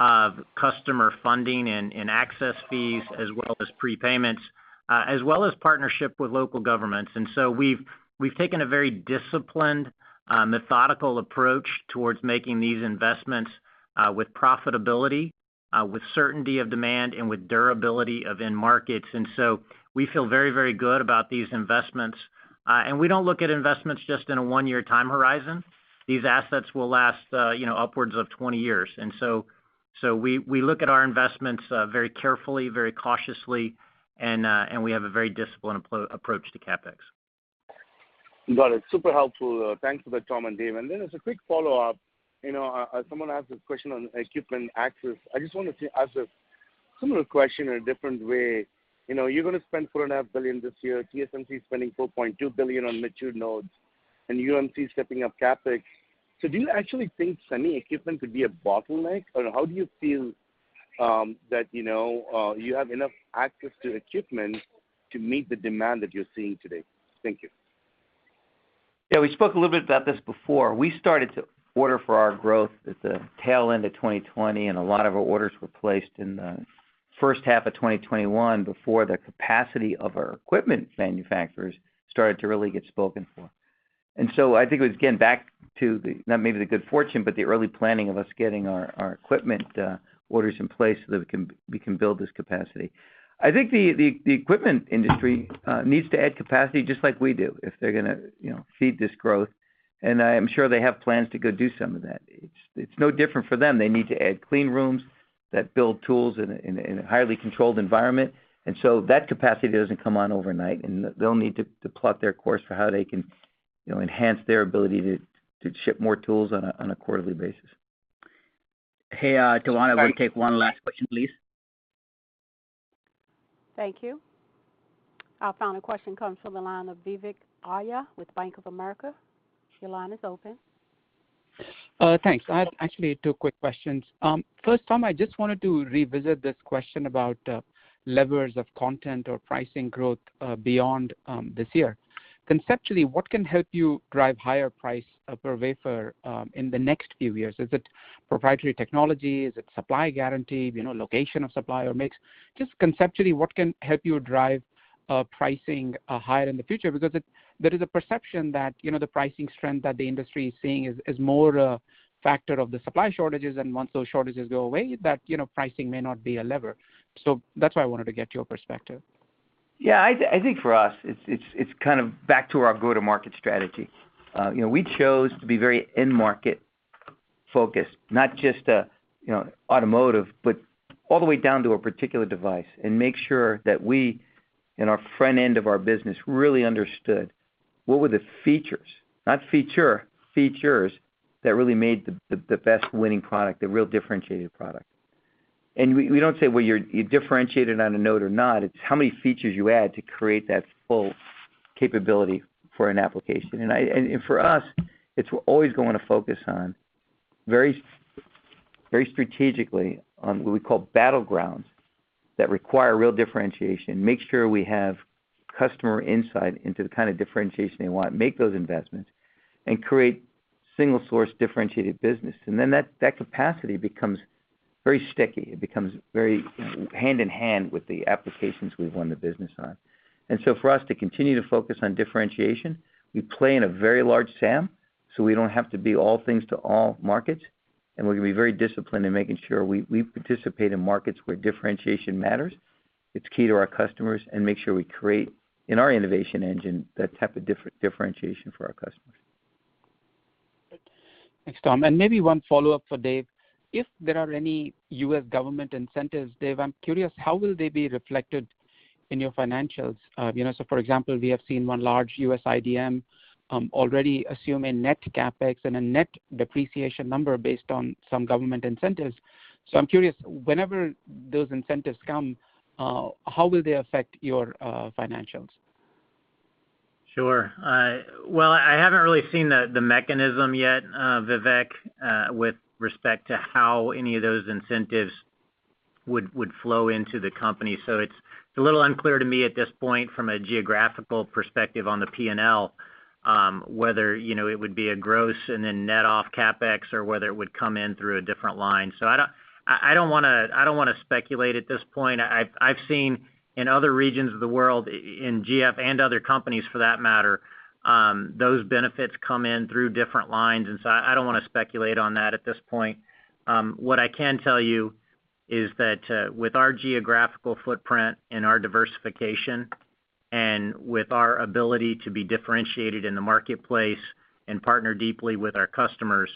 of customer funding and access fees as well as prepayments, as well as partnership with local governments. We've taken a very disciplined, methodical approach towards making these investments, with profitability, with certainty of demand and with durability of end markets. We feel very good about these investments. We don't look at investments just in a one-year time horizon. These assets will last, you know, upwards of 20 years. We look at our investments very carefully, very cautiously, and we have a very disciplined approach to CapEx. Got it. Super helpful. Thanks for that, Tom and Dave. As a quick follow-up, you know, someone asked a question on equipment access. I just wanted to ask a similar question in a different way. You know, you're gonna spend $4.5 billion this year. TSMC is spending $4.2 billion on mature nodes, and UMC is stepping up CapEx. Do you actually think semi equipment could be a bottleneck? Or how do you feel that, you know, you have enough access to equipment to meet the demand that you're seeing today? Thank you. Yeah, we spoke a little bit about this before. We started to order for our growth at the tail end of 2020, and a lot of our orders were placed in the first half of 2021 before the capacity of our equipment manufacturers started to really get spoken for. I think it was, again, back to the, not maybe the good fortune, but the early planning of us getting our equipment orders in place so that we can build this capacity. I think the equipment industry needs to add capacity just like we do if they're gonna, you know, feed this growth. I am sure they have plans to go do some of that. It's no different for them. They need to add clean rooms that build tools in a highly controlled environment. That capacity doesn't come on overnight, and they'll need to plot their course for how they can, you know, enhance their ability to ship more tools on a quarterly basis. Hey, Tawanda- Sorry. We'll take one last question, please. Thank you. Our final question comes from the line of Vivek Arya with Bank of America. Your line is open. Thanks. I have actually two quick questions. First, Tom, I just wanted to revisit this question about levers of content or pricing growth beyond this year. Conceptually, what can help you drive higher price per wafer in the next few years? Is it proprietary technology? Is it supply guarantee, you know, location of supply or mix? Just conceptually, what can help you drive pricing higher in the future? Because there is a perception that, you know, the pricing strength that the industry is seeing is more a factor of the supply shortages, and once those shortages go away, that, you know, pricing may not be a lever. So that's why I wanted to get your perspective. Yeah, I think for us it's kind of back to our go-to-market strategy. You know, we chose to be very end market-focused, not just you know, automotive, but all the way down to a particular device and make sure that we, in our front end of our business, really understood what were the features that really made the best winning product, the real differentiated product. We don't say whether you're differentiated on a node or not, it's how many features you add to create that full capability for an application. For us, it's we're always going to focus very strategically on what we call battlegrounds that require real differentiation, make sure we have customer insight into the kind of differentiation they want, make those investments, and create single source differentiated business. That capacity becomes very sticky. It becomes very hand in hand with the applications we've won the business on. For us to continue to focus on differentiation, we play in a very large SAM, so we don't have to be all things to all markets, and we're gonna be very disciplined in making sure we participate in markets where differentiation matters. It's key to our customers, and we make sure we create in our innovation engine that type of differentiation for our customers. Thanks, Tom. Maybe one follow-up for Dave. If there are any U.S. government incentives, Dave, I'm curious, how will they be reflected in your financials? You know, for example, we have seen one large U.S. IDM already assume a net CapEx and a net depreciation number based on some government incentives. I'm curious, whenever those incentives come, how will they affect your financials? Sure. Well, I haven't really seen the mechanism yet, Vivek, with respect to how any of those incentives would flow into the company. It's a little unclear to me at this point from a geographical perspective on the P&L, whether, you know, it would be a gross and then net off CapEx or whether it would come in through a different line. I don't wanna speculate at this point. I've seen in other regions of the world in GF and other companies for that matter, those benefits come in through different lines, and I don't wanna speculate on that at this point. What I can tell you is that, with our geographical footprint and our diversification and with our ability to be differentiated in the marketplace and partner deeply with our customers,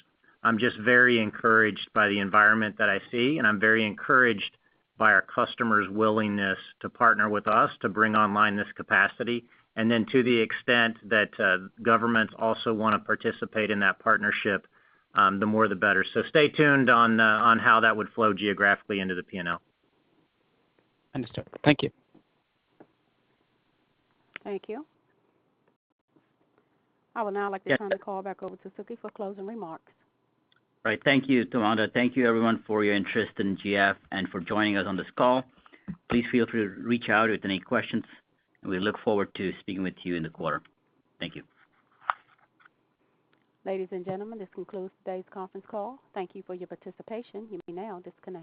I'm just very encouraged by the environment that I see, and I'm very encouraged by our customers' willingness to partner with us to bring online this capacity. To the extent that governments also wanna participate in that partnership, the more the better. Stay tuned on how that would flow geographically into the P&L. Understood. Thank you. Thank you. I would now like to turn the call back over to Sukhi for closing remarks. All right. Thank you, Tawanda. Thank you everyone for your interest in GF and for joining us on this call. Please feel free to reach out with any questions, and we look forward to speaking with you in the quarter. Thank you. Ladies and gentlemen, this concludes today's conference call. Thank you for your participation. You may now disconnect.